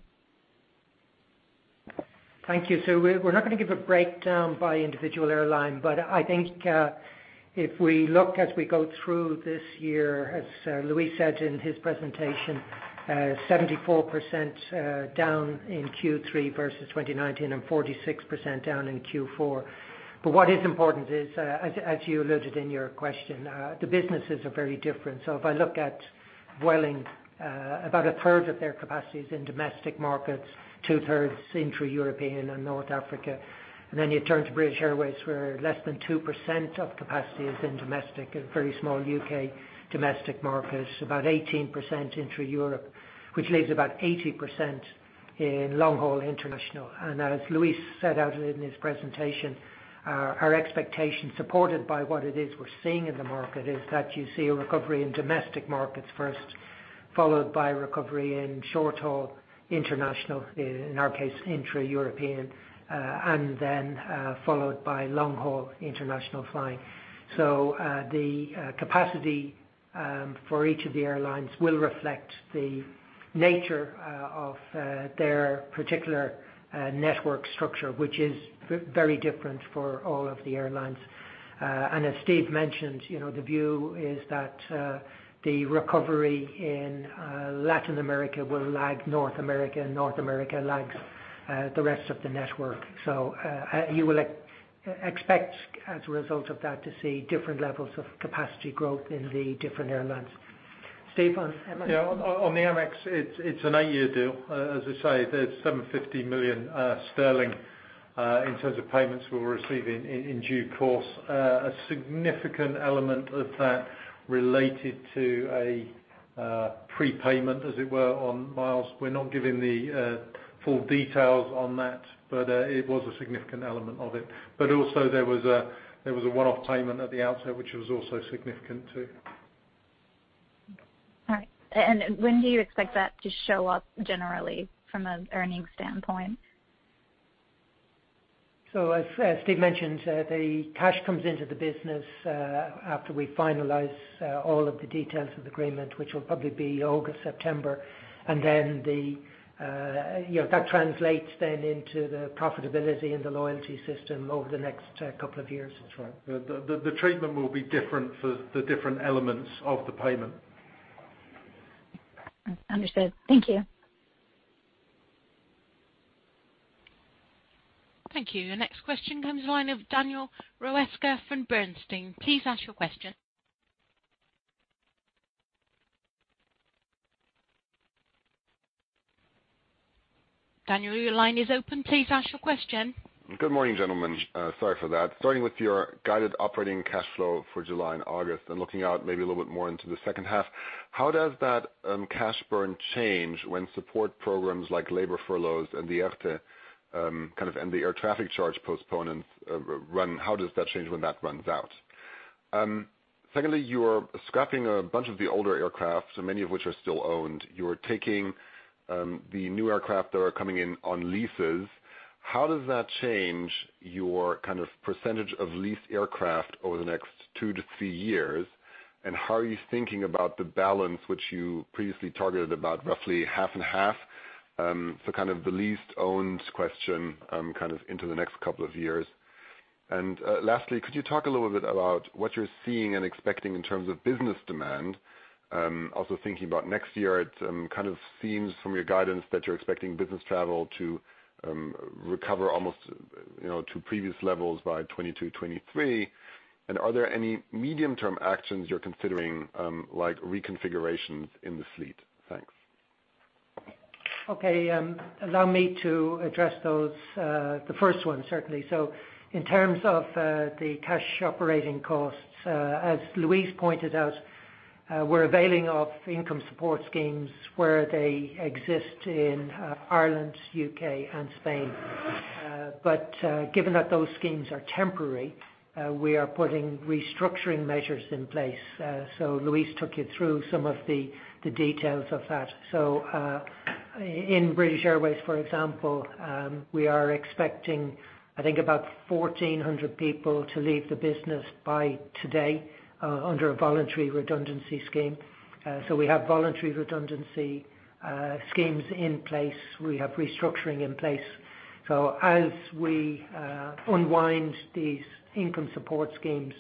Thank you. We're not going to give a breakdown by individual airline. I think if we look as we go through this year, as Luis said in his presentation, 74% down in Q3 versus 2019, and 46% down in Q4. What is important is, as you alluded in your question, the businesses are very different. If I look at Vueling, about a third of their capacity is in domestic markets, two-thirds intra-European and North Africa. Then you turn to British Airways, where less than 2% of capacity is in domestic, a very small U.K. domestic market. About 18% intra-Europe, which leaves about 80% in long-haul international. As Luis set out in his presentation, our expectation, supported by what it is we're seeing in the market, is that you see a recovery in domestic markets first, followed by recovery in short-haul international. In our case, intra-European, and then followed by long-haul international flying. The capacity for each of the airlines will reflect the nature of their particular network structure, which is very different for all of the airlines. As Steve mentioned, the view is that the recovery in Latin America will lag North America, and North America lags the rest of the network. You will expect, as a result of that, to see different levels of capacity growth in the different airlines. Steve, on Amex. Yeah, on Amex, it's an eight-year deal. As I say, there's 750 million sterling in terms of payments we'll receive in due course. A significant element of that related to a prepayment, as it were, on miles. We're not giving the full details on that, but it was a significant element of it. Also there was a one-off payment at the outset, which was also significant, too. All right. When do you expect that to show up generally from an earnings standpoint? As Steve mentioned, the cash comes into the business after we finalize all of the details of the agreement, which will probably be August, September. That translates then into the profitability in the loyalty system over the next couple of years. That's right. The treatment will be different for the different elements of the payment. Understood. Thank you. Thank you. The next question comes the line of Daniel Roeska from Bernstein. Please ask your question. Daniel, your line is open. Please ask your question. Good morning, gentlemen. Sorry for that. Starting with your guided operating cash flow for July and August, and looking out maybe a little bit more into the second half, how does that cash burn change when support programs like labor furloughs and the ERTE and the air traffic charge postponements run? How does that change when that runs out? Secondly, you are scrapping a bunch of the older aircraft, many of which are still owned. You are taking the new aircraft that are coming in on leases. How does that change your percentage of leased aircraft over the next two to three years? How are you thinking about the balance, which you previously targeted about roughly half and half? The leased, owned question into the next couple of years. Lastly, could you talk a little bit about what you're seeing and expecting in terms of business demand? Also thinking about next year, it seems from your guidance that you're expecting business travel to recover almost to previous levels by 2022, 2023. Are there any medium-term actions you're considering, like reconfigurations in the fleet? Thanks. Allow me to address those. The first one, certainly. In terms of the cash operating costs, as Luis pointed out, we are availing of income support schemes where they exist in Ireland, U.K., and Spain. Given that those schemes are temporary, we are putting restructuring measures in place. Luis took you through some of the details of that. In British Airways, for example, we are expecting, I think about 1,400 people to leave the business by today under a voluntary redundancy scheme. We have voluntary redundancy schemes in place. We have restructuring in place. As we unwind these income support schemes,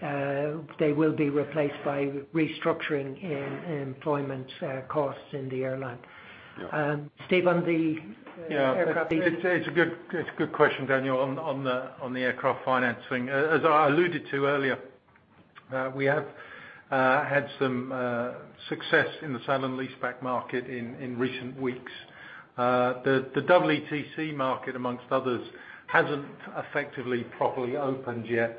they will be replaced by restructuring in employment costs in the airline. Yeah. Steve, on the aircraft. It's a good question, Daniel, on the aircraft financing. As I alluded to earlier, we have had some success in the sale and leaseback market in recent weeks. The WTC market, amongst others, hasn't effectively properly opened yet.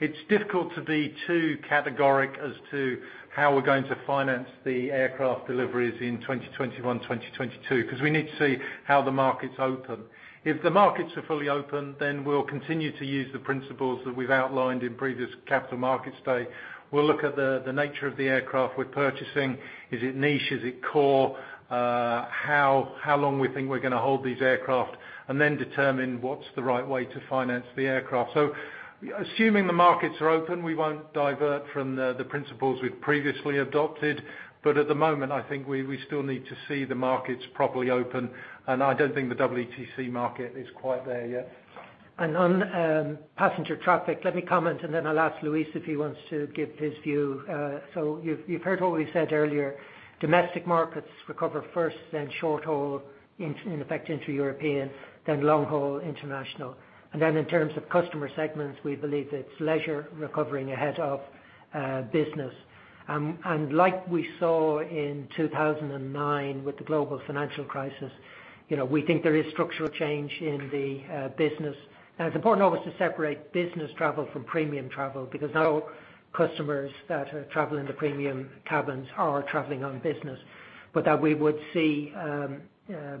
It's difficult to be too categoric as to how we're going to finance the aircraft deliveries in 2021, 2022, because we need to see how the markets open. If the markets are fully open, then we'll continue to use the principles that we've outlined in previous Capital Markets Day. We'll look at the nature of the aircraft we're purchasing. Is it niche? Is it core? how long we think we're going to hold these aircraft and then determine what's the right way to finance the aircraft. Assuming the markets are open, we won't divert from the principles we've previously adopted. At the moment, I think we still need to see the markets properly open, and I don't think the WTC market is quite there yet. On passenger traffic, let me comment, I'll ask Luis if he wants to give his view. You've heard what we said earlier. Domestic markets recover first, then short-haul, in effect, inter-European, then long-haul international. In terms of customer segments, we believe that it's leisure recovering ahead of business. Like we saw in 2009 with the global financial crisis, we think there is structural change in the business. It's important always to separate business travel from premium travel, because not all customers that are traveling the premium cabins are traveling on business, but that we would see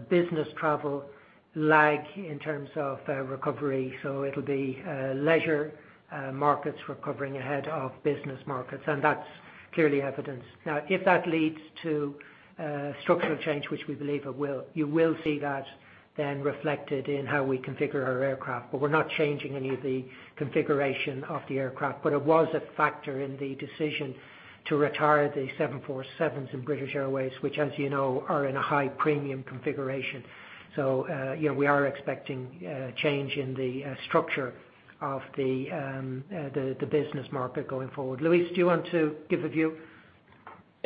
business travel lag in terms of recovery. It'll be leisure markets recovering ahead of business markets, and that's clearly evidenced. If that leads to structural change, which we believe it will, you will see that then reflected in how we configure our aircraft. We're not changing any of the configuration of the aircraft. It was a factor in the decision to retire the 747s in British Airways, which as you know, are in a high premium configuration. We are expecting a change in the structure of the business market going forward. Luis, do you want to give a view? Yes.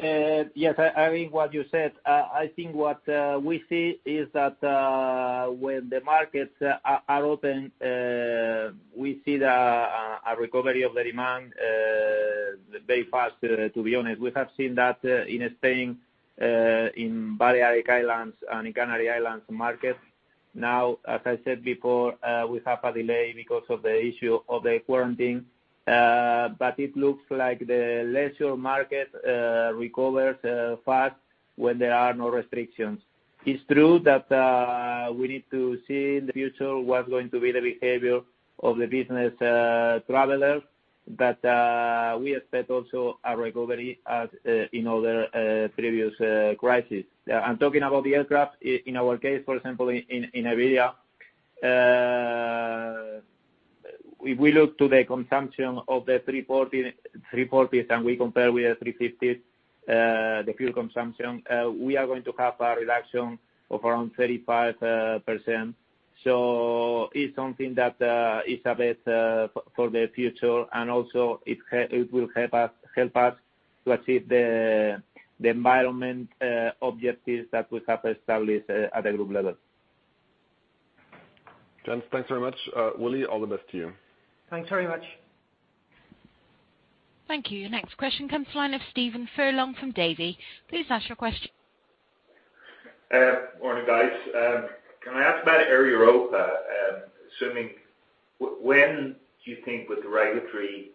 I agree what you said. I think what we see is that when the markets are open, we see a recovery of the demand very fast, to be honest. We have seen that in Spain, in Balearic Islands, and in Canary Islands markets. As I said before, we have a delay because of the issue of the quarantine. It looks like the leisure market recovers fast when there are no restrictions. It's true that we need to see in the future what's going to be the behavior of the business traveler. We expect also a recovery as in other previous crises. Talking about the aircraft, in our case, for example, in Iberia, if we look to the consumption of the 340s and we compare with the 350s, the fuel consumption, we are going to have a reduction of around 35%. It's something that is a bet for the future, and also it will help us to achieve the environment objectives that we have established at the group level. Gents, thanks very much. Willie, all the best to you. Thanks very much. Thank you. Your next question comes the line of Stephen Furlong from Davy. Please ask your question. Morning, guys. Can I ask about Air Europa? Assuming, when do you think with the regulatory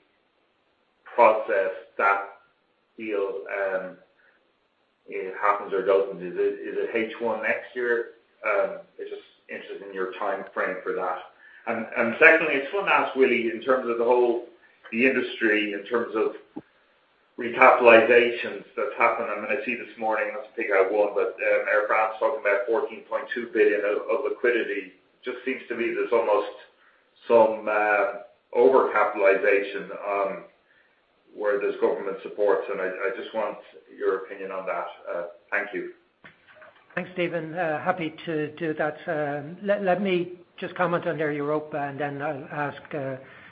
process that deal happens or doesn't? Is it H1 next year? I'm just interested in your timeframe for that. Secondly, I just want to ask, Willie, in terms of the industry, in terms of recapitalizations that's happened. I see this morning, not to pick out one, but Air France talking about 14.2 billion of liquidity. Just seems to me there's almost some overcapitalization where there's government support, and I just want your opinion on that. Thank you. Thanks, Stephen. Happy to do that. Let me just comment on Air Europa, and then I'll ask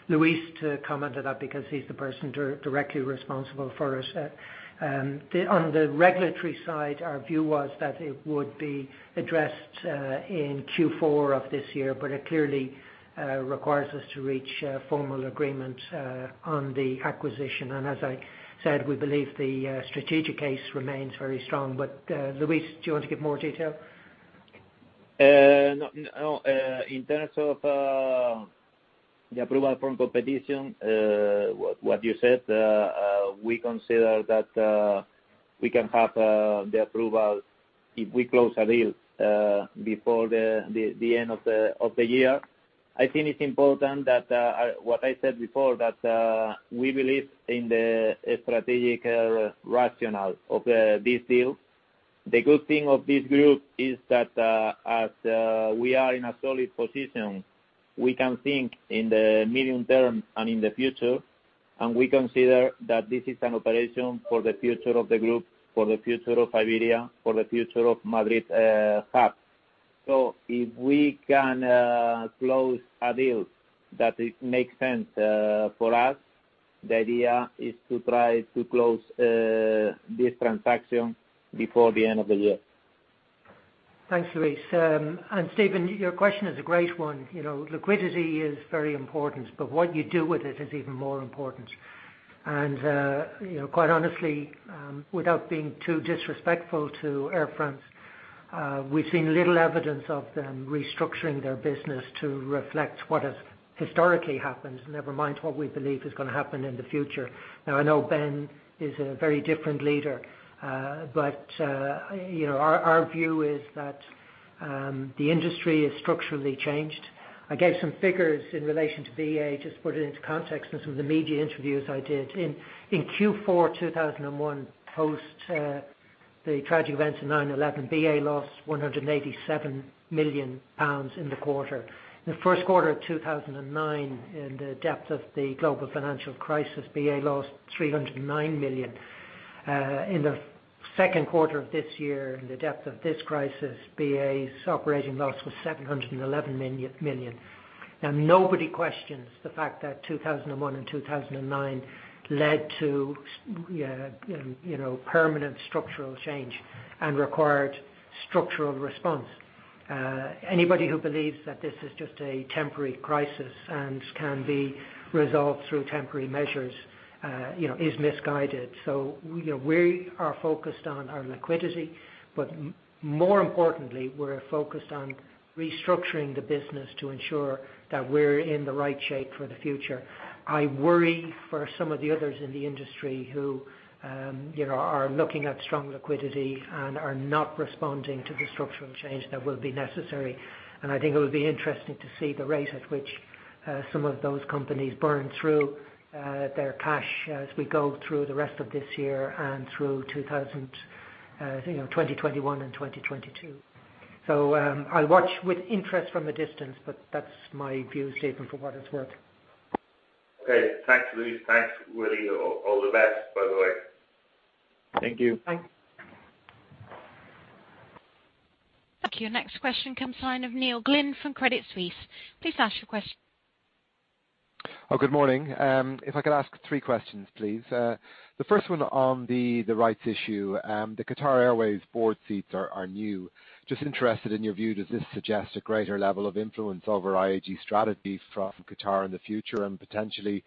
Luis to comment on that because he's the person directly responsible for it. On the regulatory side, our view was that it would be addressed in Q4 of this year, but it clearly requires us to reach a formal agreement on the acquisition. As I said, we believe the strategic case remains very strong. Luis, do you want to give more detail? No. In terms of the approval from competition, what you said, we consider that we can have the approval if we close a deal before the end of the year. I think it's important that what I said before, that we believe in the strategic rationale of this deal. The good thing of this group is that as we are in a solid position, we can think in the medium term and in the future, and we consider that this is an operation for the future of the group, for the future of Iberia, for the future of Madrid hub. If we can close a deal that makes sense for us, the idea is to try to close this transaction before the end of the year. Thanks, Luis. Stephen, your question is a great one. Liquidity is very important, what you do with it is even more important. Quite honestly, without being too disrespectful to Air France, we've seen little evidence of them restructuring their business to reflect what has historically happened, never mind what we believe is going to happen in the future. I know Ben is a very different leader. Our view is that the industry is structurally changed. I gave some figures in relation to BA, just put it into context in some of the media interviews I did. In Q4 2001, post the tragic events of 9/11, BA lost 187 million pounds in the quarter. In the first quarter of 2009, in the depth of the global financial crisis, BA lost 309 million. In the second quarter of this year, in the depth of this crisis, BA's operating loss was 711 million. Nobody questions the fact that 2001 and 2009 led to permanent structural change and required structural response. Anybody who believes that this is just a temporary crisis and can be resolved through temporary measures is misguided. We are focused on our liquidity, but more importantly, we're focused on restructuring the business to ensure that we're in the right shape for the future. I worry for some of the others in the industry who are looking at strong liquidity and are not responding to the structural change that will be necessary. I think it would be interesting to see the rate at which some of those companies burn through their cash as we go through the rest of this year and through 2021 and 2022. I watch with interest from a distance, but that's my view, Stephen, for what it's worth. Okay. Thanks, Luis. Thanks, Willie. All the best, by the way. Thank you. Thanks. Thank you. Next question comes line of Neil Glynn from Credit Suisse. Please ask your question. Good morning. If I could ask three questions, please. The first one on the rights issue. The Qatar Airways board seats are new. Just interested in your view, does this suggest a greater level of influence over IAG strategy from Qatar in the future, and potentially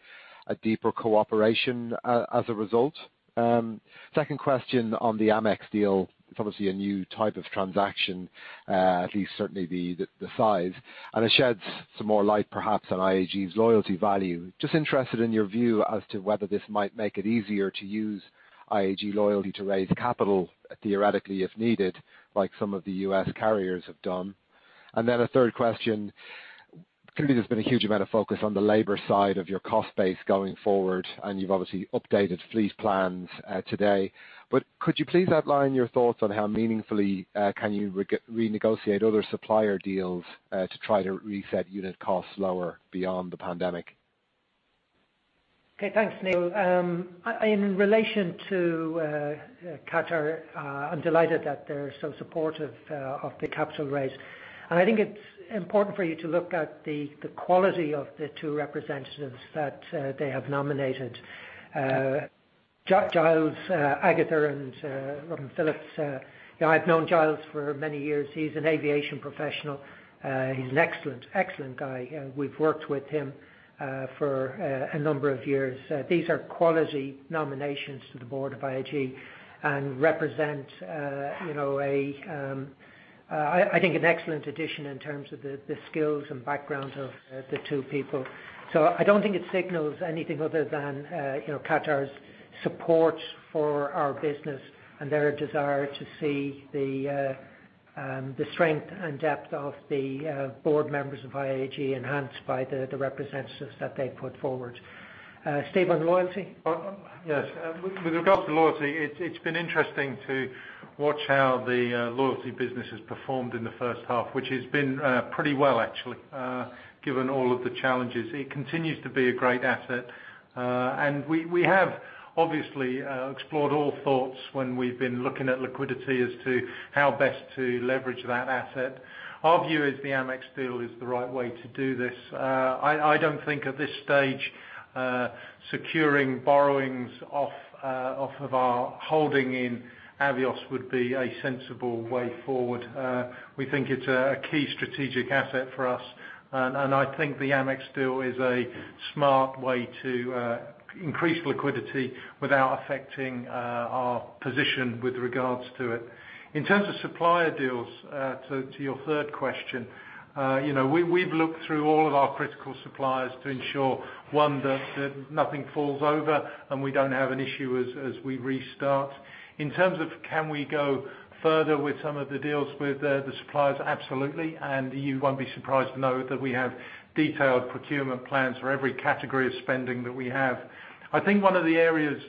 a deeper cooperation as a result? Second question on the Amex deal. It's obviously a new type of transaction, at least certainly the size, and it sheds some more light perhaps on IAG's loyalty value. Just interested in your view as to whether this might make it easier to use IAG loyalty to raise capital theoretically if needed, like some of the U.S. carriers have done. A third question. Clearly, there's been a huge amount of focus on the labor side of your cost base going forward, and you've obviously updated fleet plans today. Could you please outline your thoughts on how meaningfully can you renegotiate other supplier deals to try to reset unit costs lower beyond the pandemic? Okay. Thanks, Neil. In relation to Qatar, I'm delighted that they're so supportive of the capital raise. I think it's important for you to look at the quality of the two representatives that they have nominated, Giles Agutter and Robin Phillips. I've known Giles for many years. He's an aviation professional. He's an excellent guy. We've worked with him for a number of years. These are quality nominations to the board of IAG and represent I think an excellent addition in terms of the skills and background of the two people. I don't think it signals anything other than Qatar's support for our business and their desire to see the strength and depth of the board members of IAG enhanced by the representatives that they put forward. Steve, on loyalty? Yes. With regard to loyalty, it's been interesting to watch how the loyalty business has performed in the first half, which has been pretty well actually, given all of the challenges. It continues to be a great asset. We have obviously explored all thoughts when we've been looking at liquidity as to how best to leverage that asset. Our view is the Amex deal is the right way to do this. I don't think at this stage securing borrowings off of our holding in Avios would be a sensible way forward. We think it's a key strategic asset for us, and I think the Amex deal is a smart way to increase liquidity without affecting our position with regards to it. In terms of supplier deals, to your third question, we've looked through all of our critical suppliers to ensure, one, that nothing falls over and we don't have an issue as we restart. In terms of can we go further with some of the deals with the suppliers, absolutely. You won't be surprised to know that we have detailed procurement plans for every category of spending that we have. I think one of the areas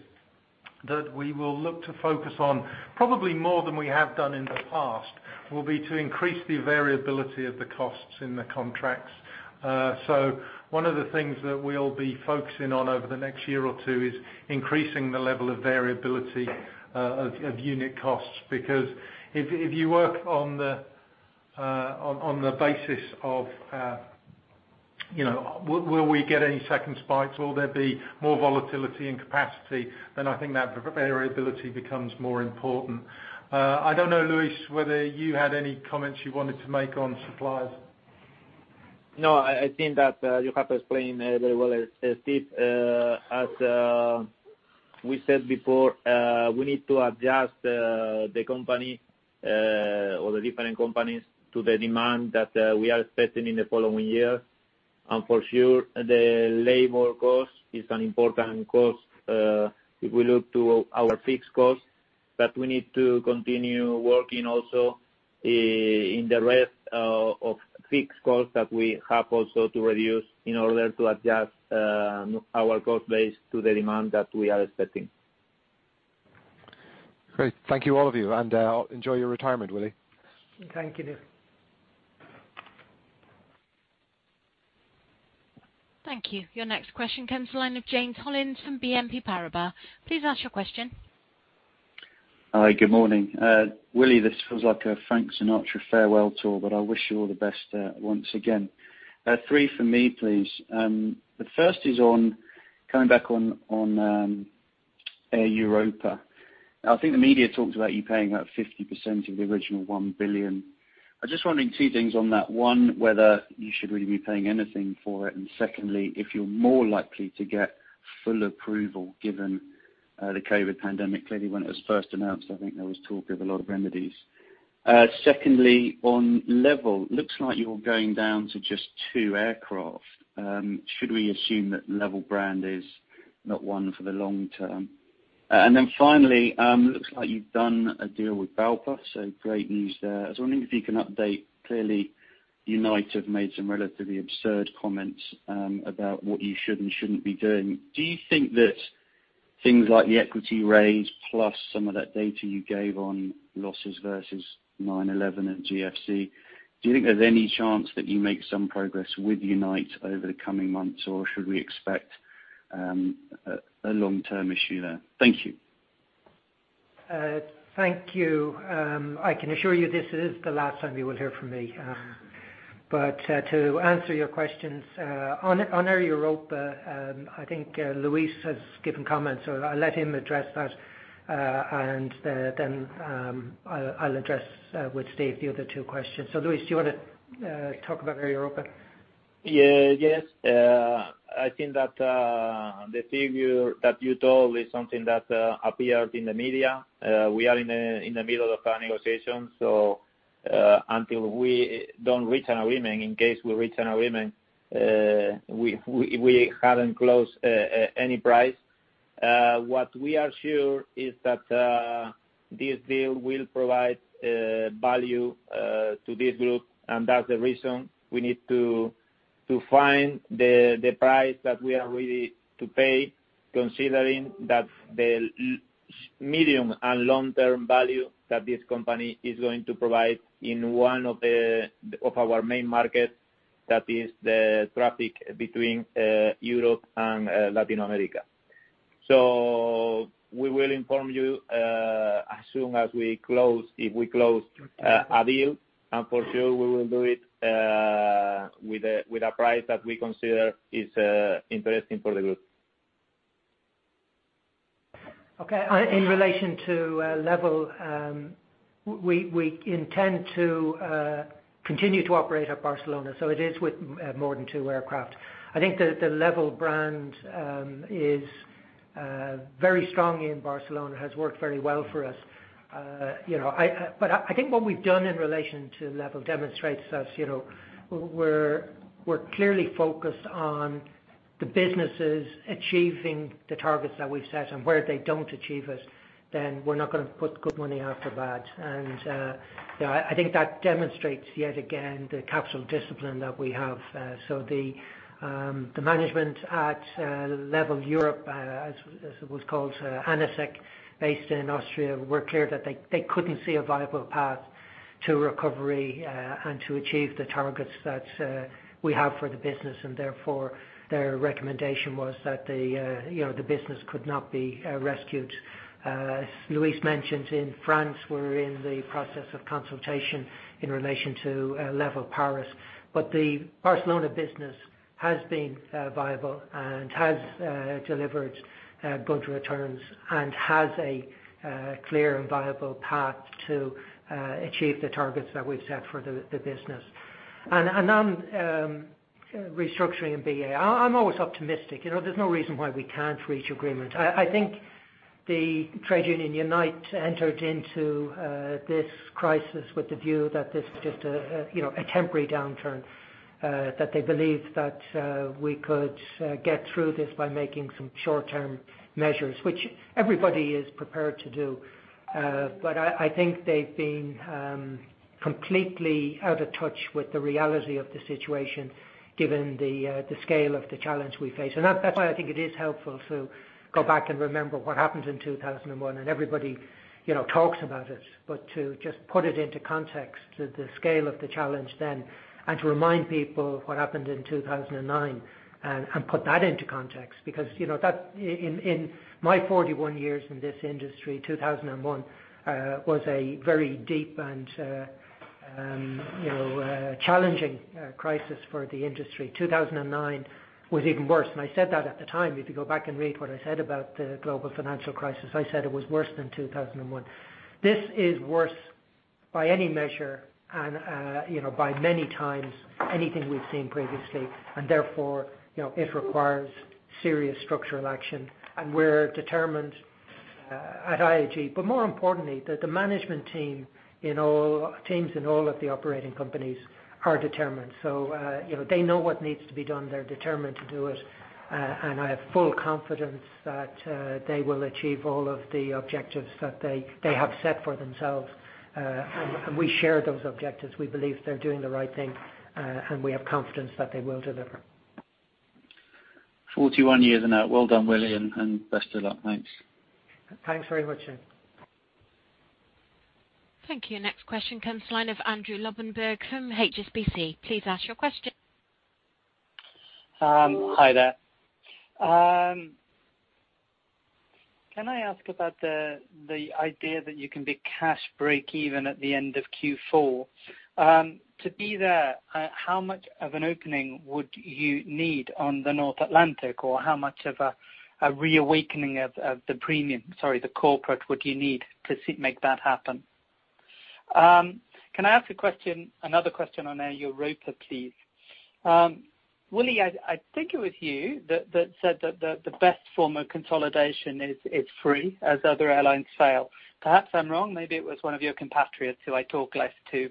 that we will look to focus on, probably more than we have done in the past, will be to increase the variability of the costs in the contracts. One of the things that we'll be focusing on over the next year or two is increasing the level of variability of unit costs, because if you work on the basis of will we get any second spikes, will there be more volatility in capacity, then I think that variability becomes more important. I don't know, Luis, whether you had any comments you wanted to make on suppliers. No, I think that you have explained very well, Steve. As we said before, we need to adjust the company or the different companies to the demand that we are expecting in the following year. For sure, the labor cost is an important cost if we look to our fixed cost. We need to continue working also in the rest of fixed costs that we have also to reduce in order to adjust our cost base to the demand that we are expecting. Great. Thank you, all of you. Enjoy your retirement, Willie. Thank you. Thank you. Your next question comes the line of James Hollins from BNP Paribas. Please ask your question. Hi, good morning. Willie, this feels like a Frank Sinatra farewell tour, but I wish you all the best once again. Three for me, please. The first is on coming back on Air Europa. I think the media talked about you paying about 50% of the original 1 billion. I was just wondering two things on that, one, whether you should really be paying anything for it, and secondly, if you're more likely to get full approval given the COVID-19 pandemic. Clearly, when it was first announced, I think there was talk of a lot of remedies. Secondly, on Level, looks like you're going down to just two aircraft. Should we assume that Level brand is not one for the long term? Finally, looks like you've done a deal with BALPA, so great news there. I was wondering if you can update. Clearly, Unite have made some relatively absurd comments about what you should and shouldn't be doing. Do you think that things like the equity raise plus some of that data you gave on losses versus 9/11 and GFC, do you think there's any chance that you make some progress with Unite over the coming months or should we expect a long-term issue there? Thank you. Thank you. I can assure you this is the last time you will hear from me. To answer your questions, on Air Europa, I think Luis has given comments, so I'll let him address that, and then I'll address with Steve the other two questions. Luis, do you want to talk about Air Europa? Yes. I think that the figure that you told is something that appeared in the media. We are in the middle of our negotiations, so until we don't reach an agreement, in case we reach an agreement, we haven't closed any price. What we are sure is that this deal will provide value to this group. That's the reason we need to find the price that we are willing to pay, considering that the medium and long-term value that this company is going to provide in one of our main markets, that is the traffic between Europe and Latin America. We will inform you as soon as we close, if we close a deal. For sure, we will do it with a price that we consider is interesting for the group. In relation to Level, we intend to continue to operate at Barcelona. It is with more than two aircraft. I think the Level brand is very strong in Barcelona, has worked very well for us. I think what we've done in relation to Level demonstrates us, we're clearly focused on the businesses achieving the targets that we've set, and where they don't achieve it, then we're not going to put good money after bad. I think that demonstrates yet again the capital discipline that we have. The management at Level Europe, as it was called, Anisec, based in Austria, were clear that they couldn't see a viable path to recovery and to achieve the targets that we have for the business, and therefore, their recommendation was that the business could not be rescued. As Luis mentioned, in France, we're in the process of consultation in relation to Level Paris. The Barcelona business has been viable and has delivered good returns and has a clear and viable path to achieve the targets that we've set for the business. On restructuring in BA, I'm always optimistic. There's no reason why we can't reach agreement. I think the trade union, Unite, entered into this crisis with the view that this was just a temporary downturn, that they believed that we could get through this by making some short-term measures, which everybody is prepared to do. I think they've been completely out of touch with the reality of the situation, given the scale of the challenge we face. That's why I think it is helpful to go back and remember what happened in 2001. Everybody talks about it, but to just put it into context, the scale of the challenge then, and to remind people what happened in 2009 and put that into context. In my 41 years in this industry, 2001 was a very deep and challenging crisis for the industry. 2009 was even worse, and I said that at the time. If you go back and read what I said about the global financial crisis, I said it was worse than 2001. This is worse by any measure and by many times anything we've seen previously, therefore, it requires serious structural action, and we're determined at IAG. More importantly, the management teams in all of the operating companies are determined. They know what needs to be done. They're determined to do it. I have full confidence that they will achieve all of the objectives that they have set for themselves. We share those objectives. We believe they're doing the right thing, and we have confidence that they will deliver. 41 years now. Well done, Willie, and best of luck. Thanks. Thanks very much. Thank you. Next question comes the line of Andrew Lobbenberg from HSBC. Please ask your question. Hi there. Can I ask about the idea that you can be cash breakeven at the end of Q4? To be there, how much of an opening would you need on the North Atlantic? How much of a reawakening of the corporate would you need to make that happen? Can I ask another question on Air Europa, please? Willie, I think it was you that said that the best form of consolidation is free as other airlines fail. Perhaps I'm wrong. Maybe it was one of your compatriots who I talk less to.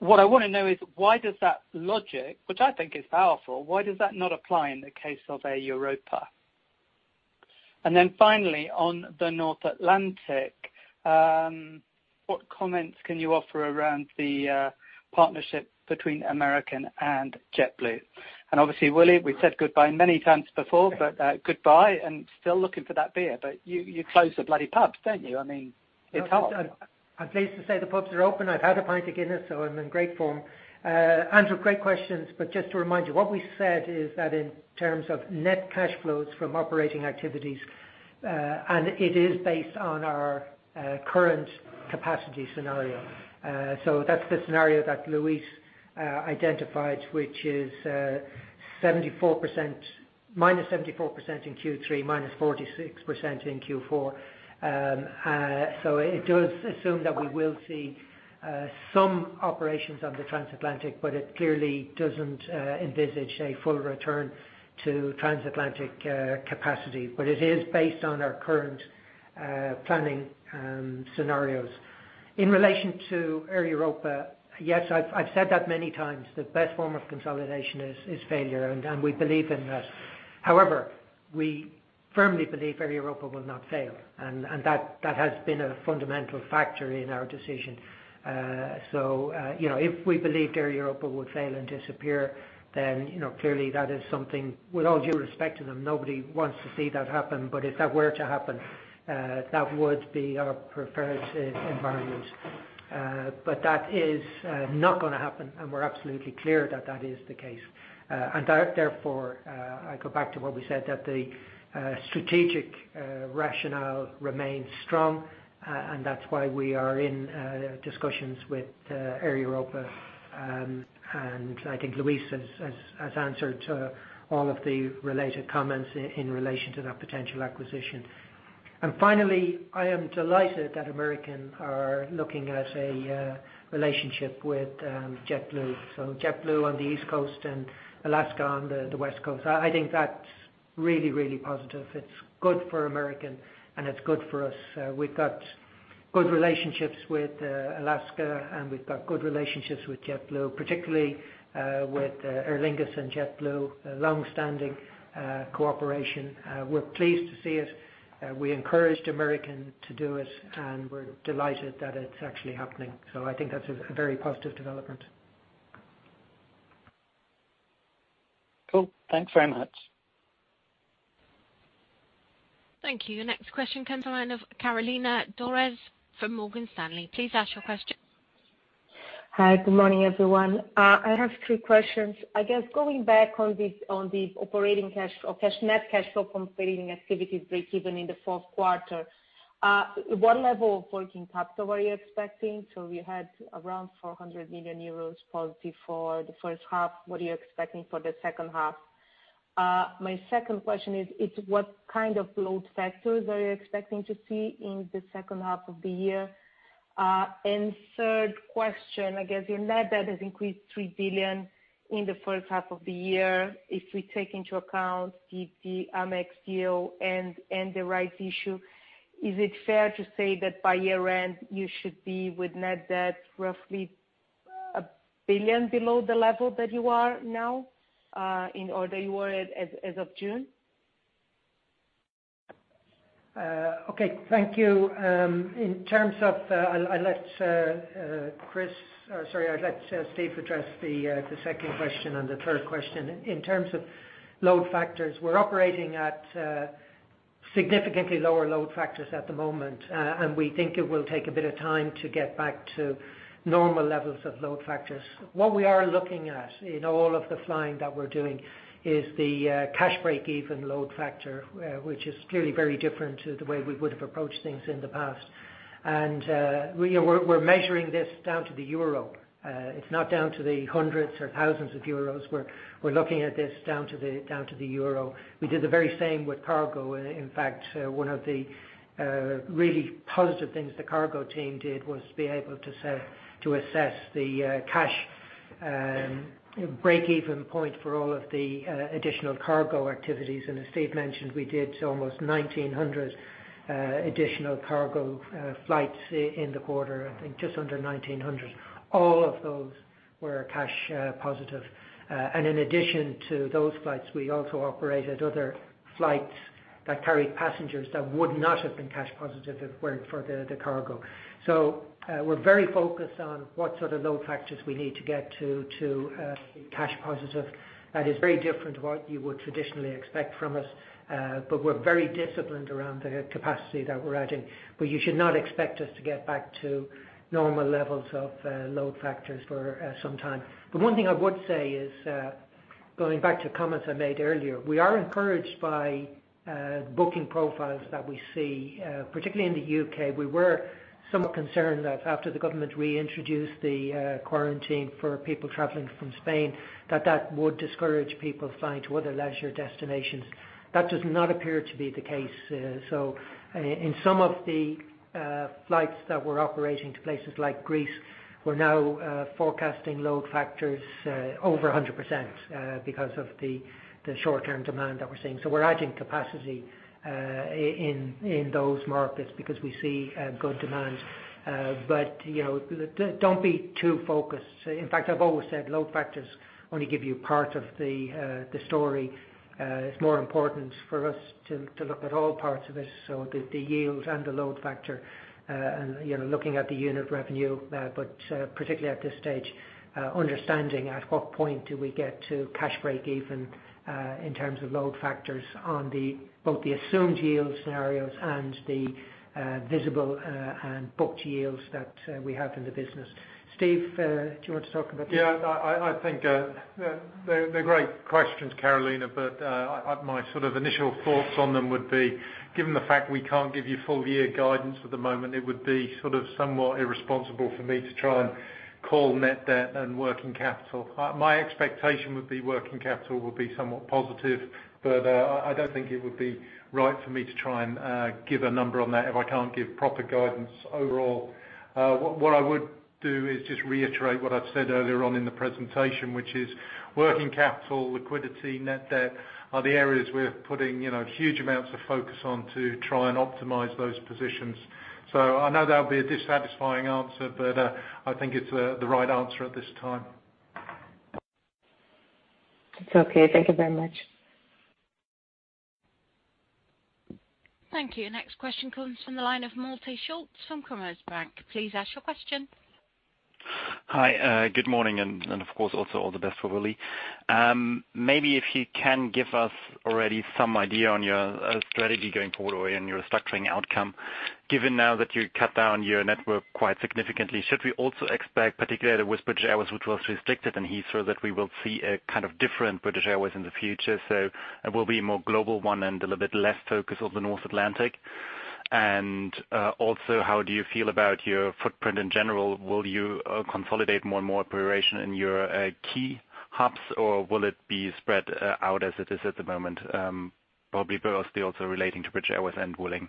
What I want to know is why does that logic, which I think is powerful, why does that not apply in the case of Air Europa? Finally, on the North Atlantic, what comments can you offer around the partnership between American and JetBlue? Obviously, Willie, we've said goodbye many times before, but goodbye and still looking for that beer. You close the bloody pubs, don't you? It's hard. I'm pleased to say the pubs are open. I've had a pint of Guinness, so I'm in great form. Andrew, great questions, but just to remind you, what we said is that in terms of net cash flows from operating activities, and it is based on our current capacity scenario. That's the scenario that Luis identified, which is minus 74% in Q3, minus 46% in Q4. It does assume that we will see some operations on the transatlantic, but it clearly doesn't envisage a full return to transatlantic capacity. It is based on our current planning scenarios. In relation to Air Europa, yes, I've said that many times. The best form of consolidation is failure, and we believe in that. However, we firmly believe Air Europa will not fail, and that has been a fundamental factor in our decision. If we believed Air Europa would fail and disappear, clearly that is something, with all due respect to them, nobody wants to see that happen. If that were to happen, that would be our preferred environment. That is not going to happen, and we're absolutely clear that that is the case. I go back to what we said, that the strategic rationale remains strong, and that's why we are in discussions with Air Europa. I think Luis has answered to all of the related comments in relation to that potential acquisition. Finally, I am delighted that American are looking at a relationship with JetBlue. JetBlue on the East Coast and Alaska on the West Coast. I think that's really positive. It's good for American, and it's good for us. We've got good relationships with Alaska Airlines, and we've got good relationships with JetBlue, particularly with Aer Lingus and JetBlue, a long-standing cooperation. We're pleased to see it. We encouraged American Airlines to do it, and we're delighted that it's actually happening. I think that's a very positive development. Cool. Thanks very much. Thank you. Next question comes a line of Carolina Dores from Morgan Stanley. Please ask your question. Hi, good morning, everyone. I have three questions. I guess going back on the net cash flow from operating activities breakeven in the fourth quarter. What level of working capital are you expecting? We had around 400 million euros positive for the first half. What are you expecting for the second half? My second question is what kind of load factors are you expecting to see in the second half of the year? Third question, I guess your net debt has increased 3 billion in the first half of the year. If we take into account the Amex deal and the rights issue, is it fair to say that by year-end, you should be with net debt roughly 1 billion below the level that you are now, or that you were at as of June? Okay. Thank you. I'll let Steve address the second question and the third question. In terms of load factors, we're operating at significantly lower load factors at the moment. We think it will take a bit of time to get back to normal levels of load factors. What we are looking at in all of the flying that we're doing is the cash break-even point for all of the additional cargo activities. As Steve mentioned, we did almost 1,900 additional cargo flights in the quarter. I think just under 1,900. All of those were cash positive. In addition to those flights, we also operated other flights that carried passengers that would not have been cash positive if it weren't for the cargo. We're very focused on what sort of load factors we need to get to be cash positive. That is very different to what you would traditionally expect from us. We're very disciplined around the capacity that we're adding. You should not expect us to get back to normal levels of load factors for some time. One thing I would say is, going back to comments I made earlier, we are encouraged by booking profiles that we see, particularly in the U.K. We were somewhat concerned that after the government reintroduced the quarantine for people traveling from Spain, that that would discourage people flying to other leisure destinations. That does not appear to be the case. In some of the flights that we're operating to places like Greece, we're now forecasting load factors over 100% because of the short-term demand that we're seeing. We're adding capacity in those markets because we see good demand. Don't be too focused. In fact, I've always said load factors only give you part of the story. It's more important for us to look at all parts of it, so the yield and the load factor, and looking at the unit revenue. Particularly at this stage, understanding at what point do we get to cash break even, in terms of load factors on both the assumed yield scenarios and the visible and booked yields that we have in the business. Steve, do you want to talk about this? Yeah. I think they're great questions, Carolina, but my initial thoughts on them would be, given the fact we can't give you full year guidance at the moment, it would be somewhat irresponsible for me to try and call net debt and working capital. My expectation would be working capital will be somewhat positive, but I don't think it would be right for me to try and give a number on that if I can't give proper guidance overall. What I would do is just reiterate what I've said earlier on in the presentation, which is working capital, liquidity, net debt are the areas we're putting huge amounts of focus on to try and optimize those positions. I know that'll be a dissatisfying answer, but I think it's the right answer at this time. It's okay. Thank you very much. Thank you. Next question comes from the line of Malte Schulz from Commerzbank. Please ask your question. Hi. Good morning, of course, also all the best for Willie. Maybe if you can give us already some idea on your strategy going forward and your restructuring outcome, given now that you cut down your network quite significantly. Should we also expect, particularly with British Airways, which was restricted and hitherto, that we will see a kind of different British Airways in the future, so it will be a more global one and a little bit less focus on the North Atlantic? Also, how do you feel about your footprint in general? Will you consolidate more and more operation in your key hubs, or will it be spread out as it is at the moment? Probably both still also relating to British Airways and Vueling.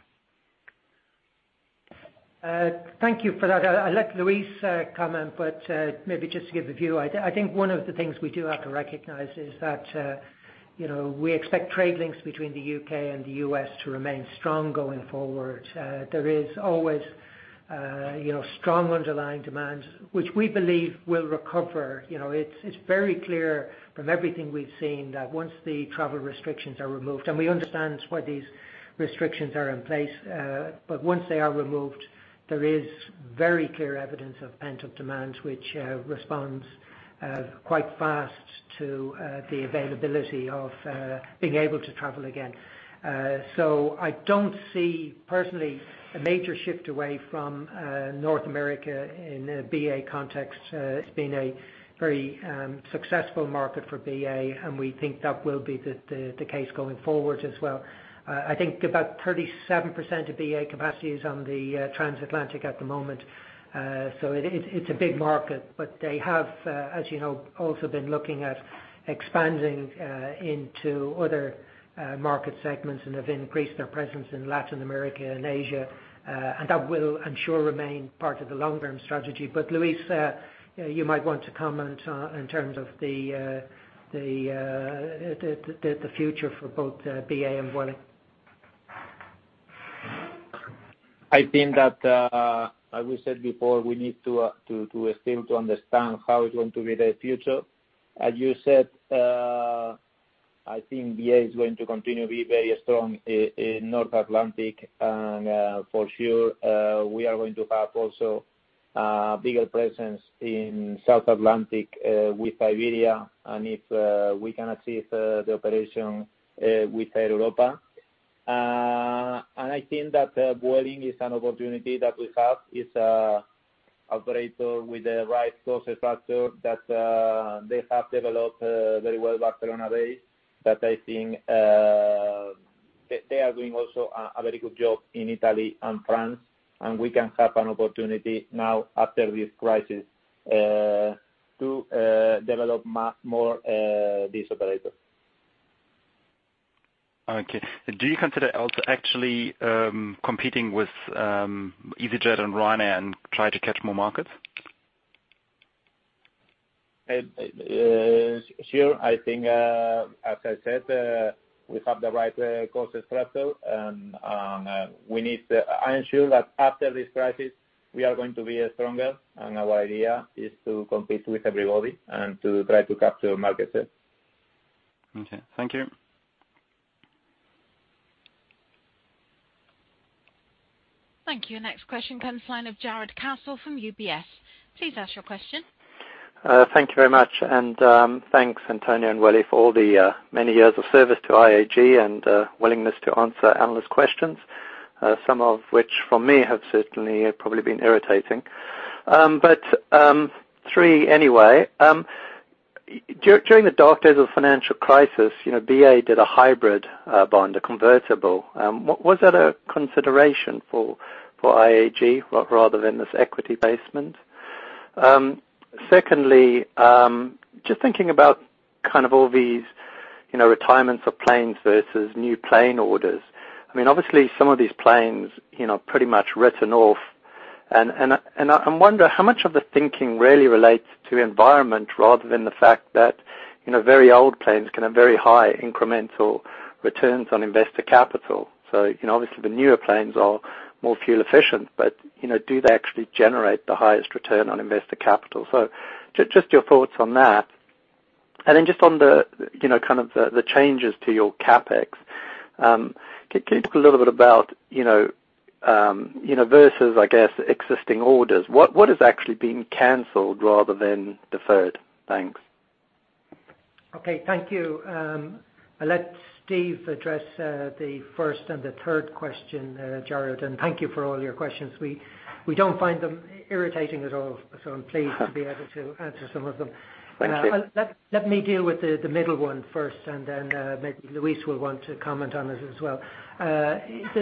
Thank you for that. I'll let Luis comment, but maybe just to give the view. I think one of the things we do have to recognize is that we expect trade links between the U.K. and the U.S. to remain strong going forward. There is always strong underlying demand, which we believe will recover. It's very clear from everything we've seen that once the travel restrictions are removed, and we understand why these restrictions are in place. Once they are removed, there is very clear evidence of pent-up demand, which responds quite fast to the availability of being able to travel again. I don't see personally a major shift away from North America in a BA context. It's been a very successful market for BA, and we think that will be the case going forward as well. I think about 37% of BA capacity is on the Transatlantic at the moment. It's a big market, but they have, as you know, also been looking at expanding into other market segments and have increased their presence in Latin America and Asia. That will I'm sure remain part of the long-term strategy. Luis, you might want to comment in terms of the future for both BA and Vueling. I think that, as we said before, we need to still understand how it's going to be the future. As you said, I think BA is going to continue to be very strong in North Atlantic, and for sure, we are going to have also a bigger presence in South Atlantic with Iberia, and if we can achieve the operation with Air Europa. I think that Vueling is an opportunity that we have, it's an operator with the right process factor that they have developed very well Barcelona base, that I think they are doing also a very good job in Italy and France, and we can have an opportunity now after this crisis to develop more this operator. Okay. Do you consider also actually competing with easyJet and Ryanair and Ryanair and try to catch more markets? Sure. I think, as I said, we have the right cost structure. I am sure that after this crisis, we are going to be stronger, and our idea is to compete with everybody and to try to capture market share. Okay. Thank you. Thank you. Next question comes line of Jarrod Castle from UBS. Please ask your question. Thank you very much. Thanks, Antonio and Willie, for all the many years of service to IAG and willingness to answer analyst questions. Some of which, from me, have certainly probably been irritating. Three anyway. During the dark days of the financial crisis, BA did a hybrid bond, a convertible. Was that a consideration for IAG rather than this equity basement? Secondly, just thinking about kind of all these retirements of planes versus new plane orders. Obviously, some of these planes pretty much written off. I wonder how much of the thinking really relates to environment rather than the fact that very old planes can have very high incremental returns on investor capital. Obviously the newer planes are more fuel efficient, but do they actually generate the highest return on investor capital? Just your thoughts on that. Just on the kind of the changes to your CapEx. Can you talk a little bit about versus, I guess, existing orders? What is actually being canceled rather than deferred? Thanks. Okay. Thank you. I'll let Steve address the first and the third question, Jarrod, and thank you for all your questions. We don't find them irritating at all, so I'm pleased to be able to answer some of them. Thanks, Steve. Let me deal with the middle one first, and then maybe Luis will want to comment on it as well.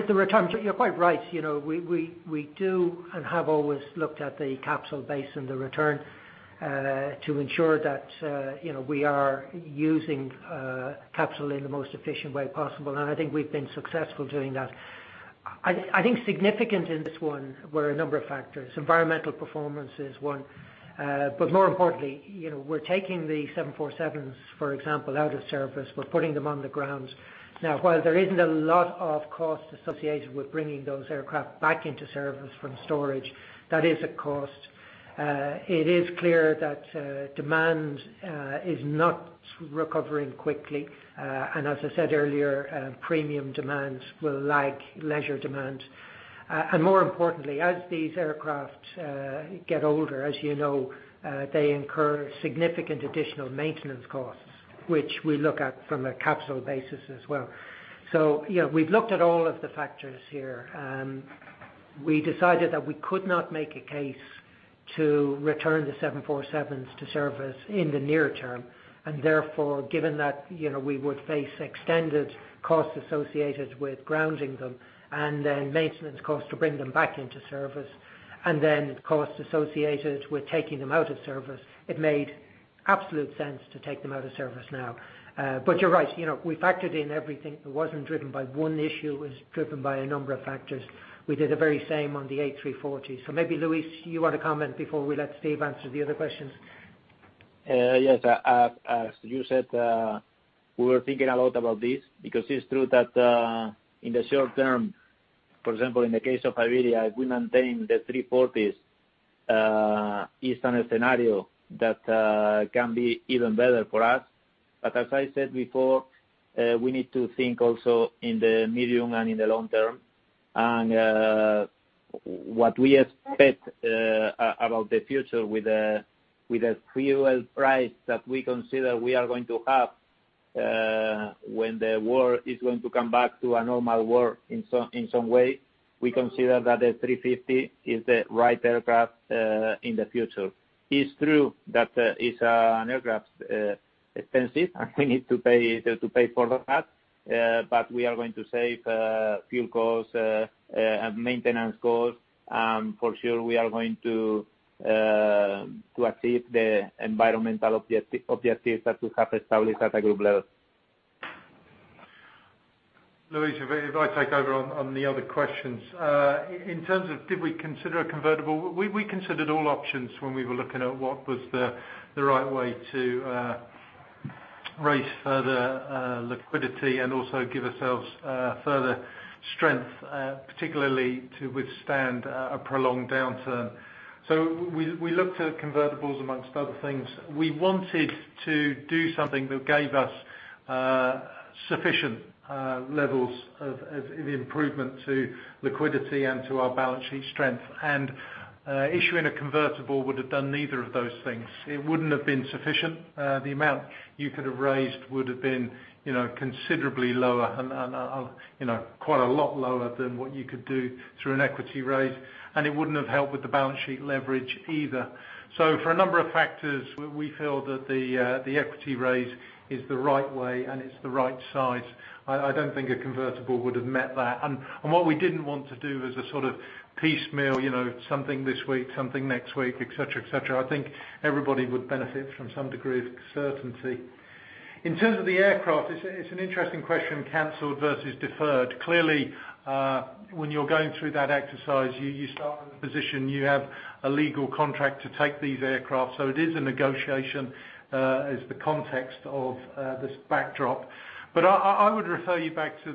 The returns, you're quite right. We do and have always looked at the capital base and the return to ensure that we are using capital in the most efficient way possible, and I think we've been successful doing that. I think significant in this one were a number of factors. Environmental performance is one. More importantly, we're taking the 747s, for example, out of service. We're putting them on the ground. Now, while there isn't a lot of cost associated with bringing those aircraft back into service from storage, that is a cost. It is clear that demand is not recovering quickly. As I said earlier, premium demand will lag leisure demand. More importantly, as these aircraft get older, you know, they incur significant additional maintenance costs, which we look at from a capital basis as well. We've looked at all of the factors here. We decided that we could not make a case to return the 747s to service in the near term, and therefore, given that we would face extended costs associated with grounding them and then maintenance costs to bring them back into service, and then costs associated with taking them out of service, it made absolute sense to take them out of service now. You're right, we factored in everything. It wasn't driven by one issue. It was driven by a number of factors. We did the very same on the A340. Maybe, Luis, you want to comment before we let Steve answer the other questions? Yes. As you said, we were thinking a lot about this because it's true that in the short term, for example, in the case of Iberia, we maintain the 340s is in a scenario that can be even better for us. As I said before, we need to think also in the medium and in the long term. What we expect about the future with the fuel price that we consider we are going to have when the world is going to come back to a normal world in some way, we consider that the 350 is the right aircraft in the future. It's true that it's an expensive aircraft, and we need to pay for that. We are going to save fuel costs and maintenance costs. For sure we are going to achieve the environmental objectives that we have established at a group level. Luis, if I take over on the other questions. In terms of did we consider a convertible? We considered all options when we were looking at what was the right way to raise further liquidity and also give ourselves further strength, particularly to withstand a prolonged downturn. We looked at convertibles, amongst other things. We wanted to do something that gave us sufficient levels of improvement to liquidity and to our balance sheet strength. Issuing a convertible would have done neither of those things. It wouldn't have been sufficient. The amount you could have raised would have been considerably lower and quite a lot lower than what you could do through an equity raise, and it wouldn't have helped with the balance sheet leverage either. For a number of factors, we feel that the equity raise is the right way and it's the right size. I don't think a convertible would have met that. What we didn't want to do was a sort of piecemeal, something this week, something next week, et cetera. I think everybody would benefit from some degree of certainty. In terms of the aircraft, it's an interesting question, canceled versus deferred. Clearly, when you're going through that exercise, you start from the position, you have a legal contract to take these aircraft. It is a negotiation, as the context of this backdrop. I would refer you back to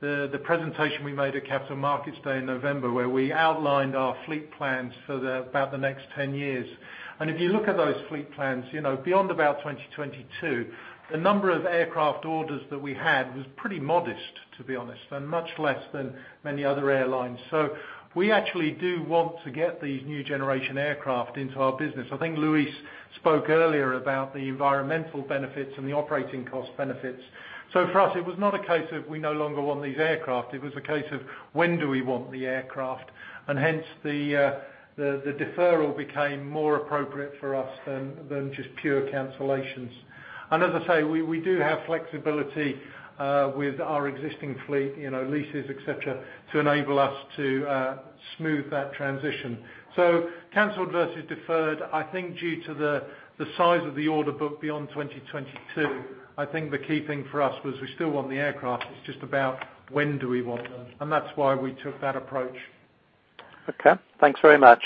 the presentation we made at Capital Markets Day in November, where we outlined our fleet plans for about the next 10 years. If you look at those fleet plans, beyond about 2022, the number of aircraft orders that we had was pretty modest, to be honest, and much less than many other airlines. We actually do want to get these new generation aircraft into our business. I think Luis spoke earlier about the environmental benefits and the operating cost benefits. For us, it was not a case of we no longer want these aircraft. It was a case of when do we want the aircraft, and hence the deferral became more appropriate for us than just pure cancellations. As I say, we do have flexibility with our existing fleet, leases, et cetera, to enable us to smooth that transition. Canceled versus deferred, I think due to the size of the order book beyond 2022, I think the key thing for us was we still want the aircraft. It is just about when do we want them, and that is why we took that approach. Okay. Thanks very much.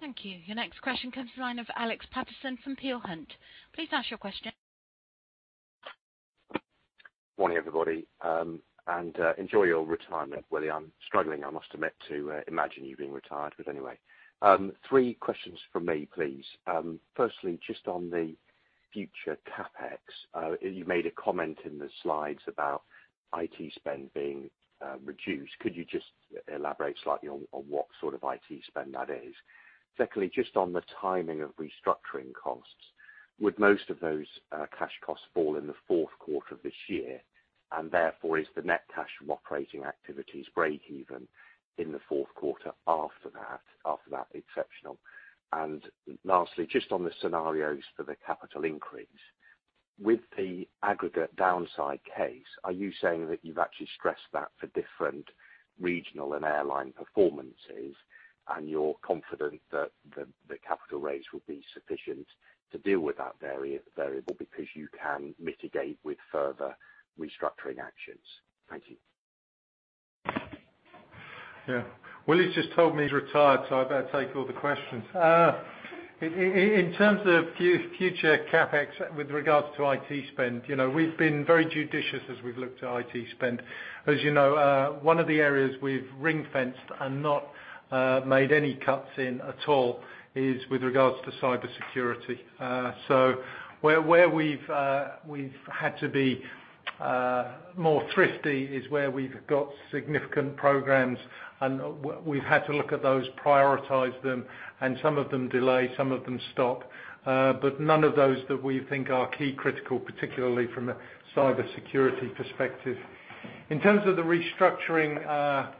Thank you. Your next question comes the line of Alex Paterson from Peel Hunt. Please ask your question. Morning, everybody. Enjoy your retirement, Willie. I'm struggling, I must admit, to imagine you being retired, anyway. Three questions from me, please. Firstly, just on the future CapEx. You made a comment in the slides about IT spend being reduced. Could you just elaborate slightly on what sort of IT spend that is? Secondly, just on the timing of restructuring costs. Would most of those cash costs fall in the fourth quarter of this year, and therefore, is the net cash from operating activities break even in the fourth quarter after that exceptional? Lastly, just on the scenarios for the capital increase. With the aggregate downside case, are you saying that you've actually stressed that for different regional and airline performances, and you're confident that the capital raise will be sufficient to deal with that variable because you can mitigate with further restructuring actions? Thank you. Willie's just told me he's retired, I better take all the questions. In terms of future CapEx with regards to IT spend, we've been very judicious as we've looked at IT spend. As you know, one of the areas we've ring-fenced and not made any cuts in at all is with regards to cybersecurity. Where we've had to be more thrifty is where we've got significant programs, and we've had to look at those, prioritize them, and some of them delay, some of them stop. None of those that we think are key critical, particularly from a cybersecurity perspective. In terms of the restructuring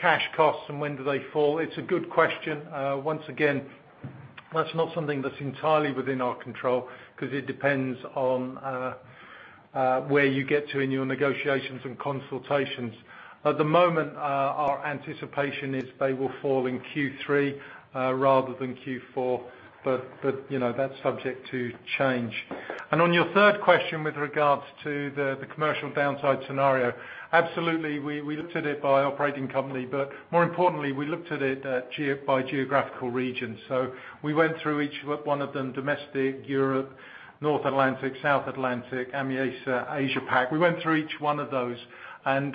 cash costs and when do they fall, it's a good question. Once again, that's not something that's entirely within our control because it depends on where you get to in your negotiations and consultations. At the moment, our anticipation is they will fall in Q3 rather than Q4, but that's subject to change. On your third question with regards to the commercial downside scenario, absolutely, we looked at it by operating company, but more importantly, we looked at it by geographical region. We went through each one of them, domestic Europe, North Atlantic, South Atlantic, AMESA, Asia Pac. We went through each one of those and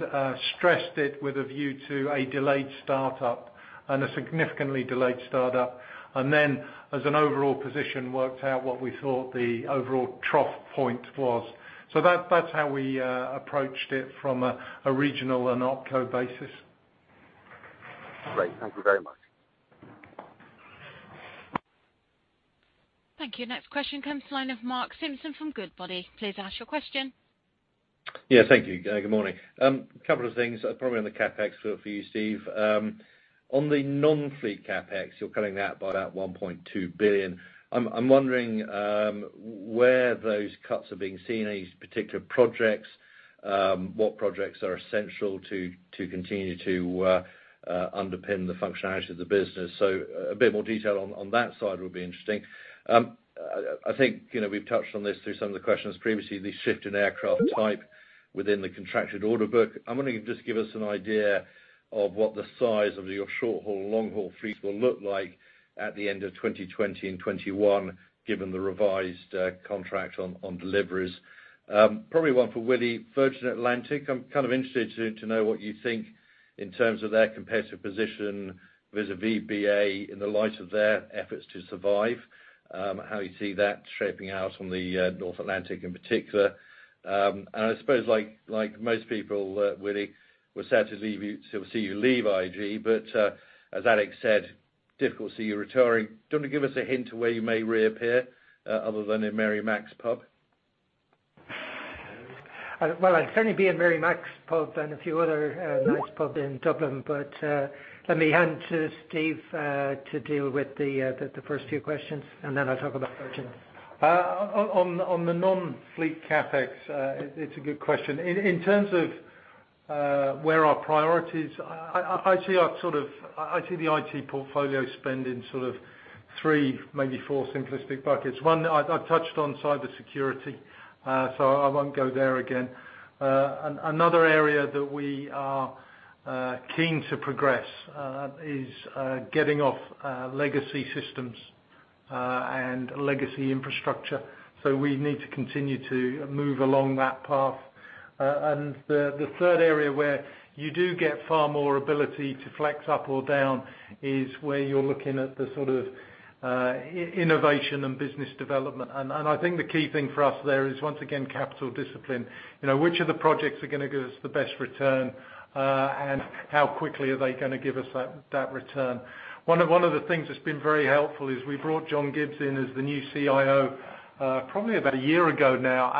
stressed it with a view to a delayed startup and a significantly delayed startup, and then as an overall position, worked out what we thought the overall trough point was. That's how we approached it from a regional and opco basis. Great. Thank you very much. Thank you. Next question comes the line of Mark Simpson from Goodbody. Please ask your question. Thank you. Good morning. Couple of things, probably on the CapEx for you, Steve. On the non-fleet CapEx, you're cutting that by about 1.2 billion. I'm wondering where those cuts are being seen, any particular projects, what projects are essential to continue to underpin the functionality of the business. A bit more detail on that side would be interesting. I think we've touched on this through some of the questions previously, the shift in aircraft type within the contracted order book. I wonder if you could just give us an idea of what the size of your short-haul, long-haul fleet will look like at the end of 2020 and 2021, given the revised contract on deliveries. Probably one for Willie. Virgin Atlantic, I'm kind of interested to know what you think in terms of their competitive position vis-à-vis BA in the light of their efforts to survive, how you see that shaping out on the North Atlantic in particular. I suppose like most people, Willie, we're sad to see you leave IAG, but as Alex said, difficult to see you retiring. Do you want to give us a hint of where you may reappear, other than in Mary Mac's pub? I'd certainly be in Mary Mac's pub and a few other nice pubs in Dublin, but let me hand to Steve to deal with the first few questions, and then I'll talk about Virgin. On the non-fleet CapEx, it's a good question. Where are our priorities? I see the IT portfolio spend in three, maybe four simplistic buckets. One, I've touched on cybersecurity, so I won't go there again. Another area that we are keen to progress is getting off legacy systems and legacy infrastructure. We need to continue to move along that path. The third area where you do get far more ability to flex up or down is where you're looking at the innovation and business development. I think the key thing for us there is, once again, capital discipline. Which of the projects are going to give us the best return, and how quickly are they going to give us that return? One of the things that's been very helpful is we brought John Gibbs in as the new CIO, probably about a year ago now.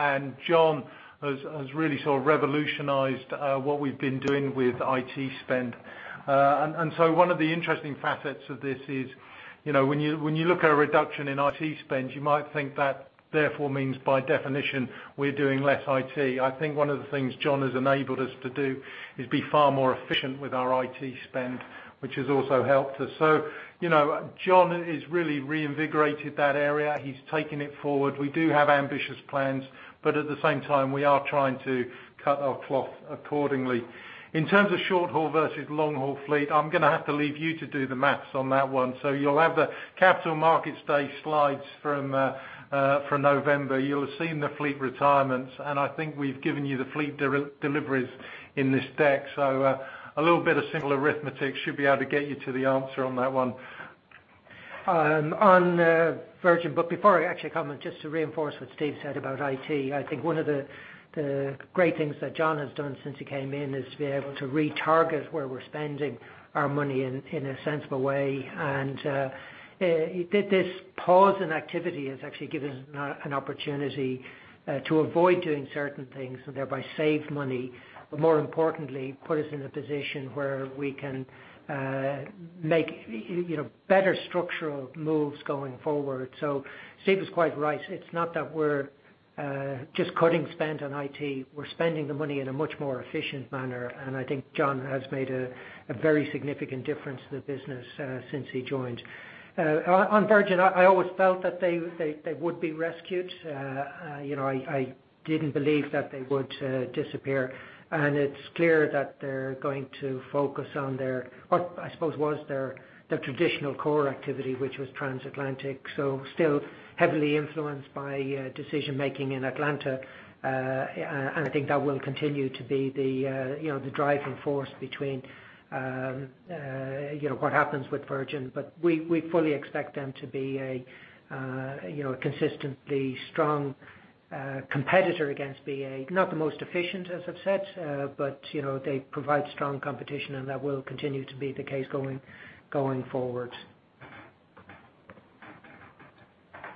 John has really revolutionized what we've been doing with IT spend. One of the interesting facets of this is, when you look at a reduction in IT spend, you might think that therefore means by definition, we're doing less IT. I think one of the things John has enabled us to do is be far more efficient with our IT spend, which has also helped us. John has really reinvigorated that area. He's taken it forward. We do have ambitious plans, but at the same time, we are trying to cut our cloth accordingly. In terms of short-haul versus long-haul fleet, I'm going to have to leave you to do the math on that one. You'll have the Capital Markets Day slides from November. You'll have seen the fleet retirements, and I think we've given you the fleet deliveries in this deck. A little bit of simple arithmetic should be able to get you to the answer on that one. Before I actually comment, just to reinforce what Steve said about IT, I think one of the great things that John has done since he came in is to be able to retarget where we're spending our money in a sensible way. He did this pause in activity has actually given us an opportunity to avoid doing certain things and thereby save money, but more importantly, put us in a position where we can make better structural moves going forward. Steve is quite right. It's not that we're just cutting spend on IT. We're spending the money in a much more efficient manner, and I think John has made a very significant difference to the business since he joined. On Virgin, I always felt that they would be rescued. I didn't believe that they would disappear. It's clear that they're going to focus on their, what I suppose was their traditional core activity, which was transatlantic. Still heavily influenced by decision-making in Atlanta. I think that will continue to be the driving force between what happens with Virgin. We fully expect them to be a consistently strong competitor against BA. Not the most efficient, as I've said, but they provide strong competition, and that will continue to be the case going forward.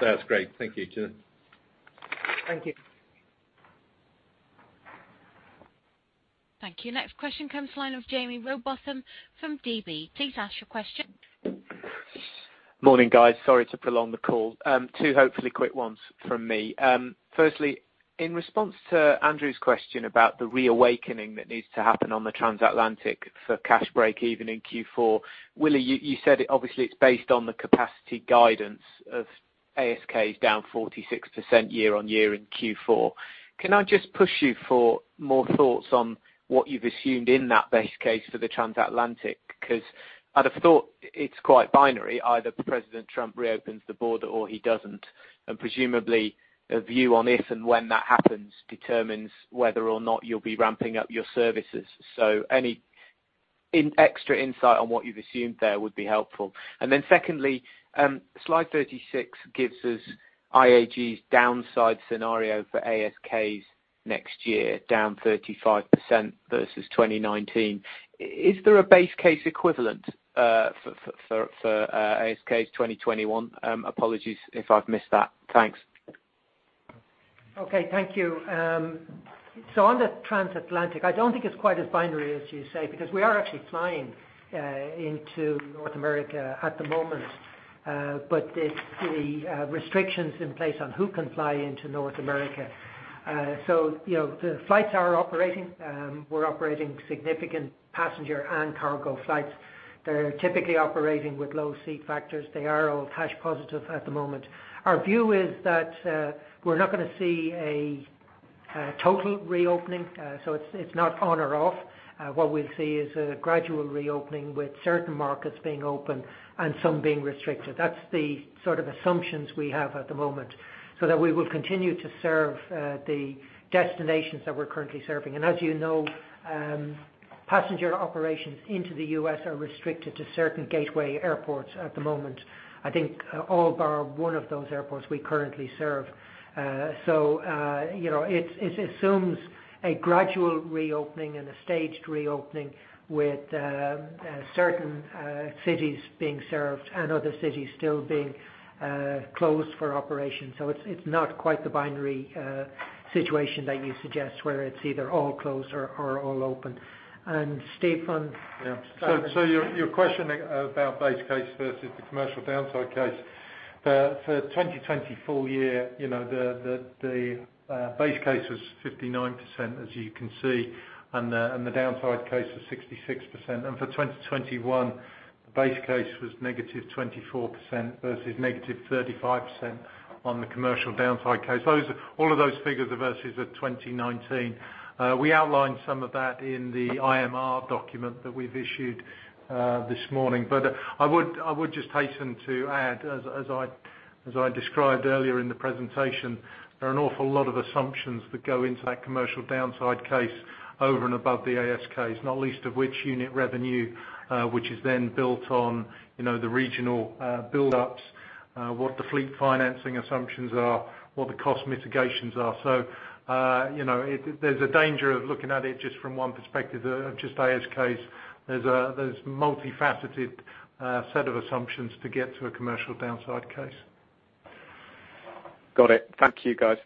That's great. Thank you, Willie. Thank you. Thank you. Next question comes the line of Jaime Rowbotham from DB. Please ask your question. Morning, guys. Sorry to prolong the call. Two hopefully quick ones from me. Firstly, in response to Andrew's question about the reawakening that needs to happen on the transatlantic for cash breakeven in Q4, Willie, you said it obviously it's based on the capacity guidance of ASKs down 46% year on year in Q4. Can I just push you for more thoughts on what you've assumed in that base case for the transatlantic? I'd have thought it's quite binary. Either President Trump reopens the border or he doesn't. Presumably a view on if and when that happens determines whether or not you'll be ramping up your services. Any extra insight on what you've assumed there would be helpful. Secondly, slide 36 gives us IAG's downside scenario for ASKs next year, down 35% versus 2019. Is there a base case equivalent for ASKs 2021? Apologies if I've missed that. Thanks. Okay. Thank you. On the Transatlantic, I don't think it's quite as binary as you say, because we are actually flying into North America at the moment. The restrictions in place on who can fly into North America. The flights are operating. We're operating significant passenger and cargo flights. They're typically operating with low seat factors. They are all cash positive at the moment. Our view is that we're not going to see a total reopening. It's not on or off. What we'll see is a gradual reopening with certain markets being open and some being restricted. That's the sort of assumptions we have at the moment, so that we will continue to serve the destinations that we're currently serving. As you know, passenger operations into the U.S. are restricted to certain gateway airports at the moment. I think all bar one of those airports we currently serve. It assumes a gradual reopening and a staged reopening with certain cities being served and other cities still being closed for operation. It's not quite the binary situation that you suggest where it's either all closed or all open. Steve, on- Yeah. Your question about base case versus the commercial downside case. For 2020 full year, the base case was 59%, as you can see, and the downside case was 66%. For 2021, the base case was negative 24% versus negative 35% on the commercial downside case. All of those figures are versus at 2019. We outlined some of that in the IMR document that we've issued this morning. I would just hasten to add, as I described earlier in the presentation, there are an awful lot of assumptions that go into that commercial downside case over and above the ASK case, not least of which unit revenue, which is then built on the regional buildups, what the fleet financing assumptions are, what the cost mitigations are. There's a danger of looking at it just from one perspective, just ASK case. There's a multifaceted set of assumptions to get to a commercial downside case. Got it. Thank you, guys.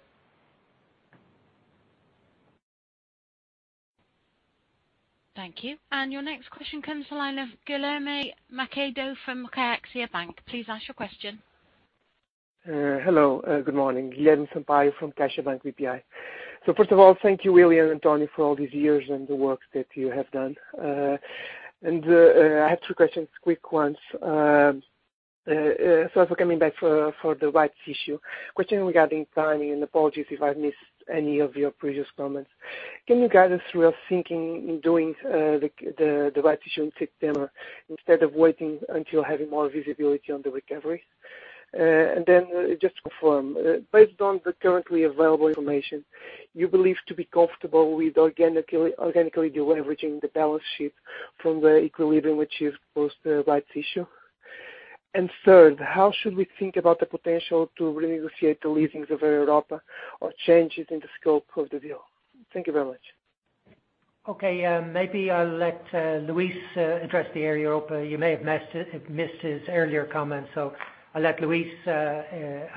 Thank you. Your next question comes the line of Guilherme Macedo from CaixaBank. Please ask your question. Hello, good morning. Guilherme Sampaio from CaixaBank BPI. First of all, thank you, Willie and Tony, for all these years and the work that you have done. I have two questions, quick ones. Sorry for coming back for the rights issue. Question regarding timing, and apologies if I've missed any of your previous comments. Can you guide us through your thinking in doing the rights issue in September instead of waiting until having more visibility on the recovery? Just to confirm, based on the currently available information, you believe to be comfortable with organically deleveraging the balance sheet from the equilibrium achieved post the rights issue? Third, how should we think about the potential to renegotiate the leasings of Air Europa or changes in the scope of the deal? Thank you very much. Okay. Maybe I'll let Luis address the Air Europa. You may have missed his earlier comments, so I'll let Luis answer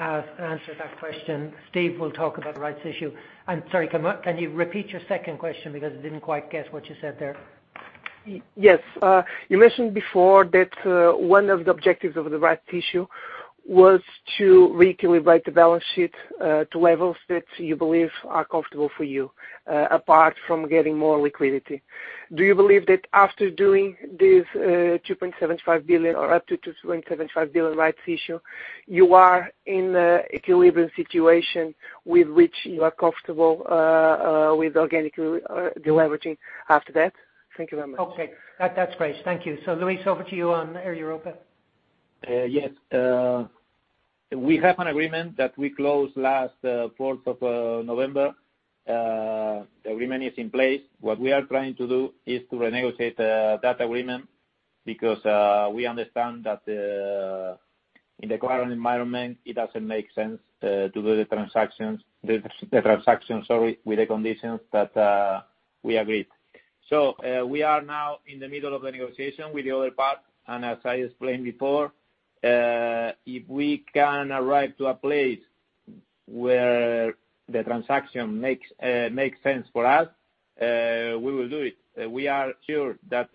that question. Steve will talk about the rights issue. I'm sorry, can you repeat your second question, because I didn't quite get what you said there. Yes. You mentioned before that one of the objectives of the rights issue was to re-calibrate the balance sheet to levels that you believe are comfortable for you, apart from getting more liquidity. Do you believe that after doing this up to 2.75 billion rights issue, you are in an equilibrium situation with which you are comfortable with organic deleveraging after that? Thank you very much. Okay, that's great. Thank you. Luis, over to you on Air Europa. Yes. We have an agreement that we closed last 4th of November. The agreement is in place. What we are trying to do is to renegotiate that agreement because we understand that in the current environment, it doesn't make sense to do the transaction, sorry, with the conditions that we agreed. We are now in the middle of the negotiation with the other part, and as I explained before, if we can arrive to a place where the transaction makes sense for us, we will do it. We are sure that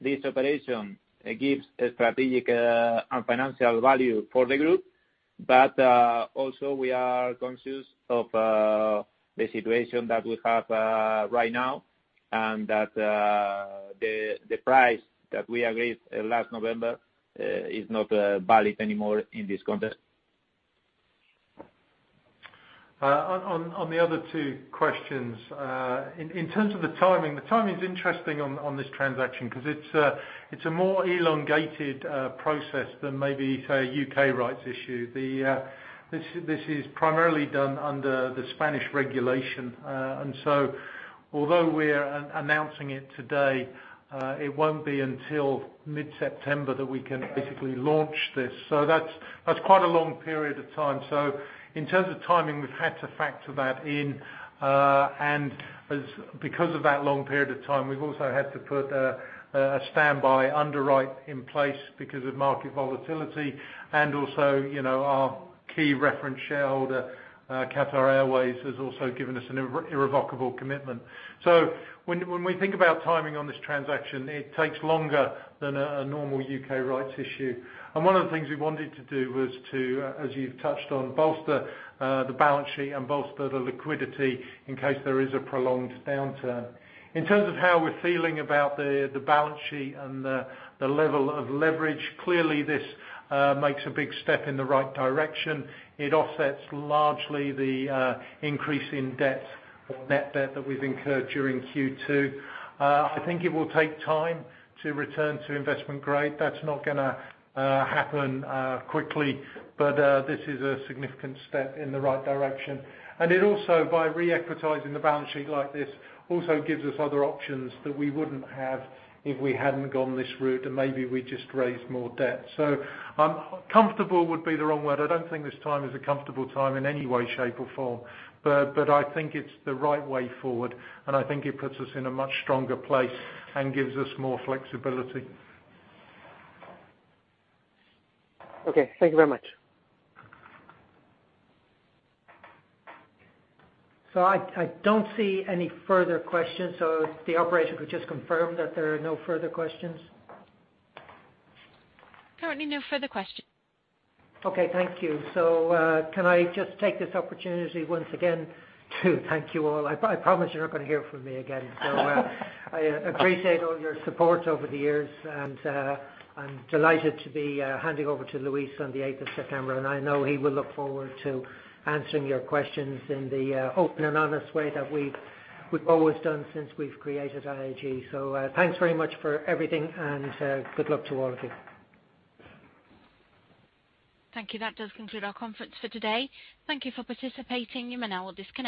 this operation gives a strategic and financial value for the group. Also we are conscious of the situation that we have right now, and that the price that we agreed last November is not valid anymore in this context. On the other two questions. In terms of the timing, the timing is interesting on this transaction, because it's a more elongated process than maybe, say, a U.K. rights issue. This is primarily done under the Spanish regulation. Although we're announcing it today, it won't be until mid-September that we can basically launch this. That's quite a long period of time. In terms of timing, we've had to factor that in. Because of that long period of time, we've also had to put a standby underwrite in place because of market volatility. Also, our key reference shareholder, Qatar Airways, has also given us an irrevocable commitment. When we think about timing on this transaction, it takes longer than a normal U.K. rights issue. One of the things we wanted to do was to, as you've touched on, bolster the balance sheet and bolster the liquidity in case there is a prolonged downturn. In terms of how we're feeling about the balance sheet and the level of leverage, clearly this makes a big step in the right direction. It offsets largely the increase in debt or net debt that we've incurred during Q2. I think it will take time to return to investment grade. That's not going to happen quickly, but this is a significant step in the right direction. It also, by re-equitizing the balance sheet like this, also gives us other options that we wouldn't have if we hadn't gone this route, and maybe we just raised more debt. Comfortable would be the wrong word. I don't think this time is a comfortable time in any way, shape, or form. I think it's the right way forward, and I think it puts us in a much stronger place and gives us more flexibility. Okay. Thank you very much. I don't see any further questions. If the operator could just confirm that there are no further questions. Currently no further questions. Okay, thank you. Can I just take this opportunity once again to thank you all. I promise you're not going to hear from me again. I appreciate all your support over the years, and I'm delighted to be handing over to Luis on the 8th of September, and I know he will look forward to answering your questions in the open and honest way that we've always done since we've created IAG. Thanks very much for everything, and good luck to all of you. Thank you. That does conclude our conference for today. Thank you for participating. You may now disconnect.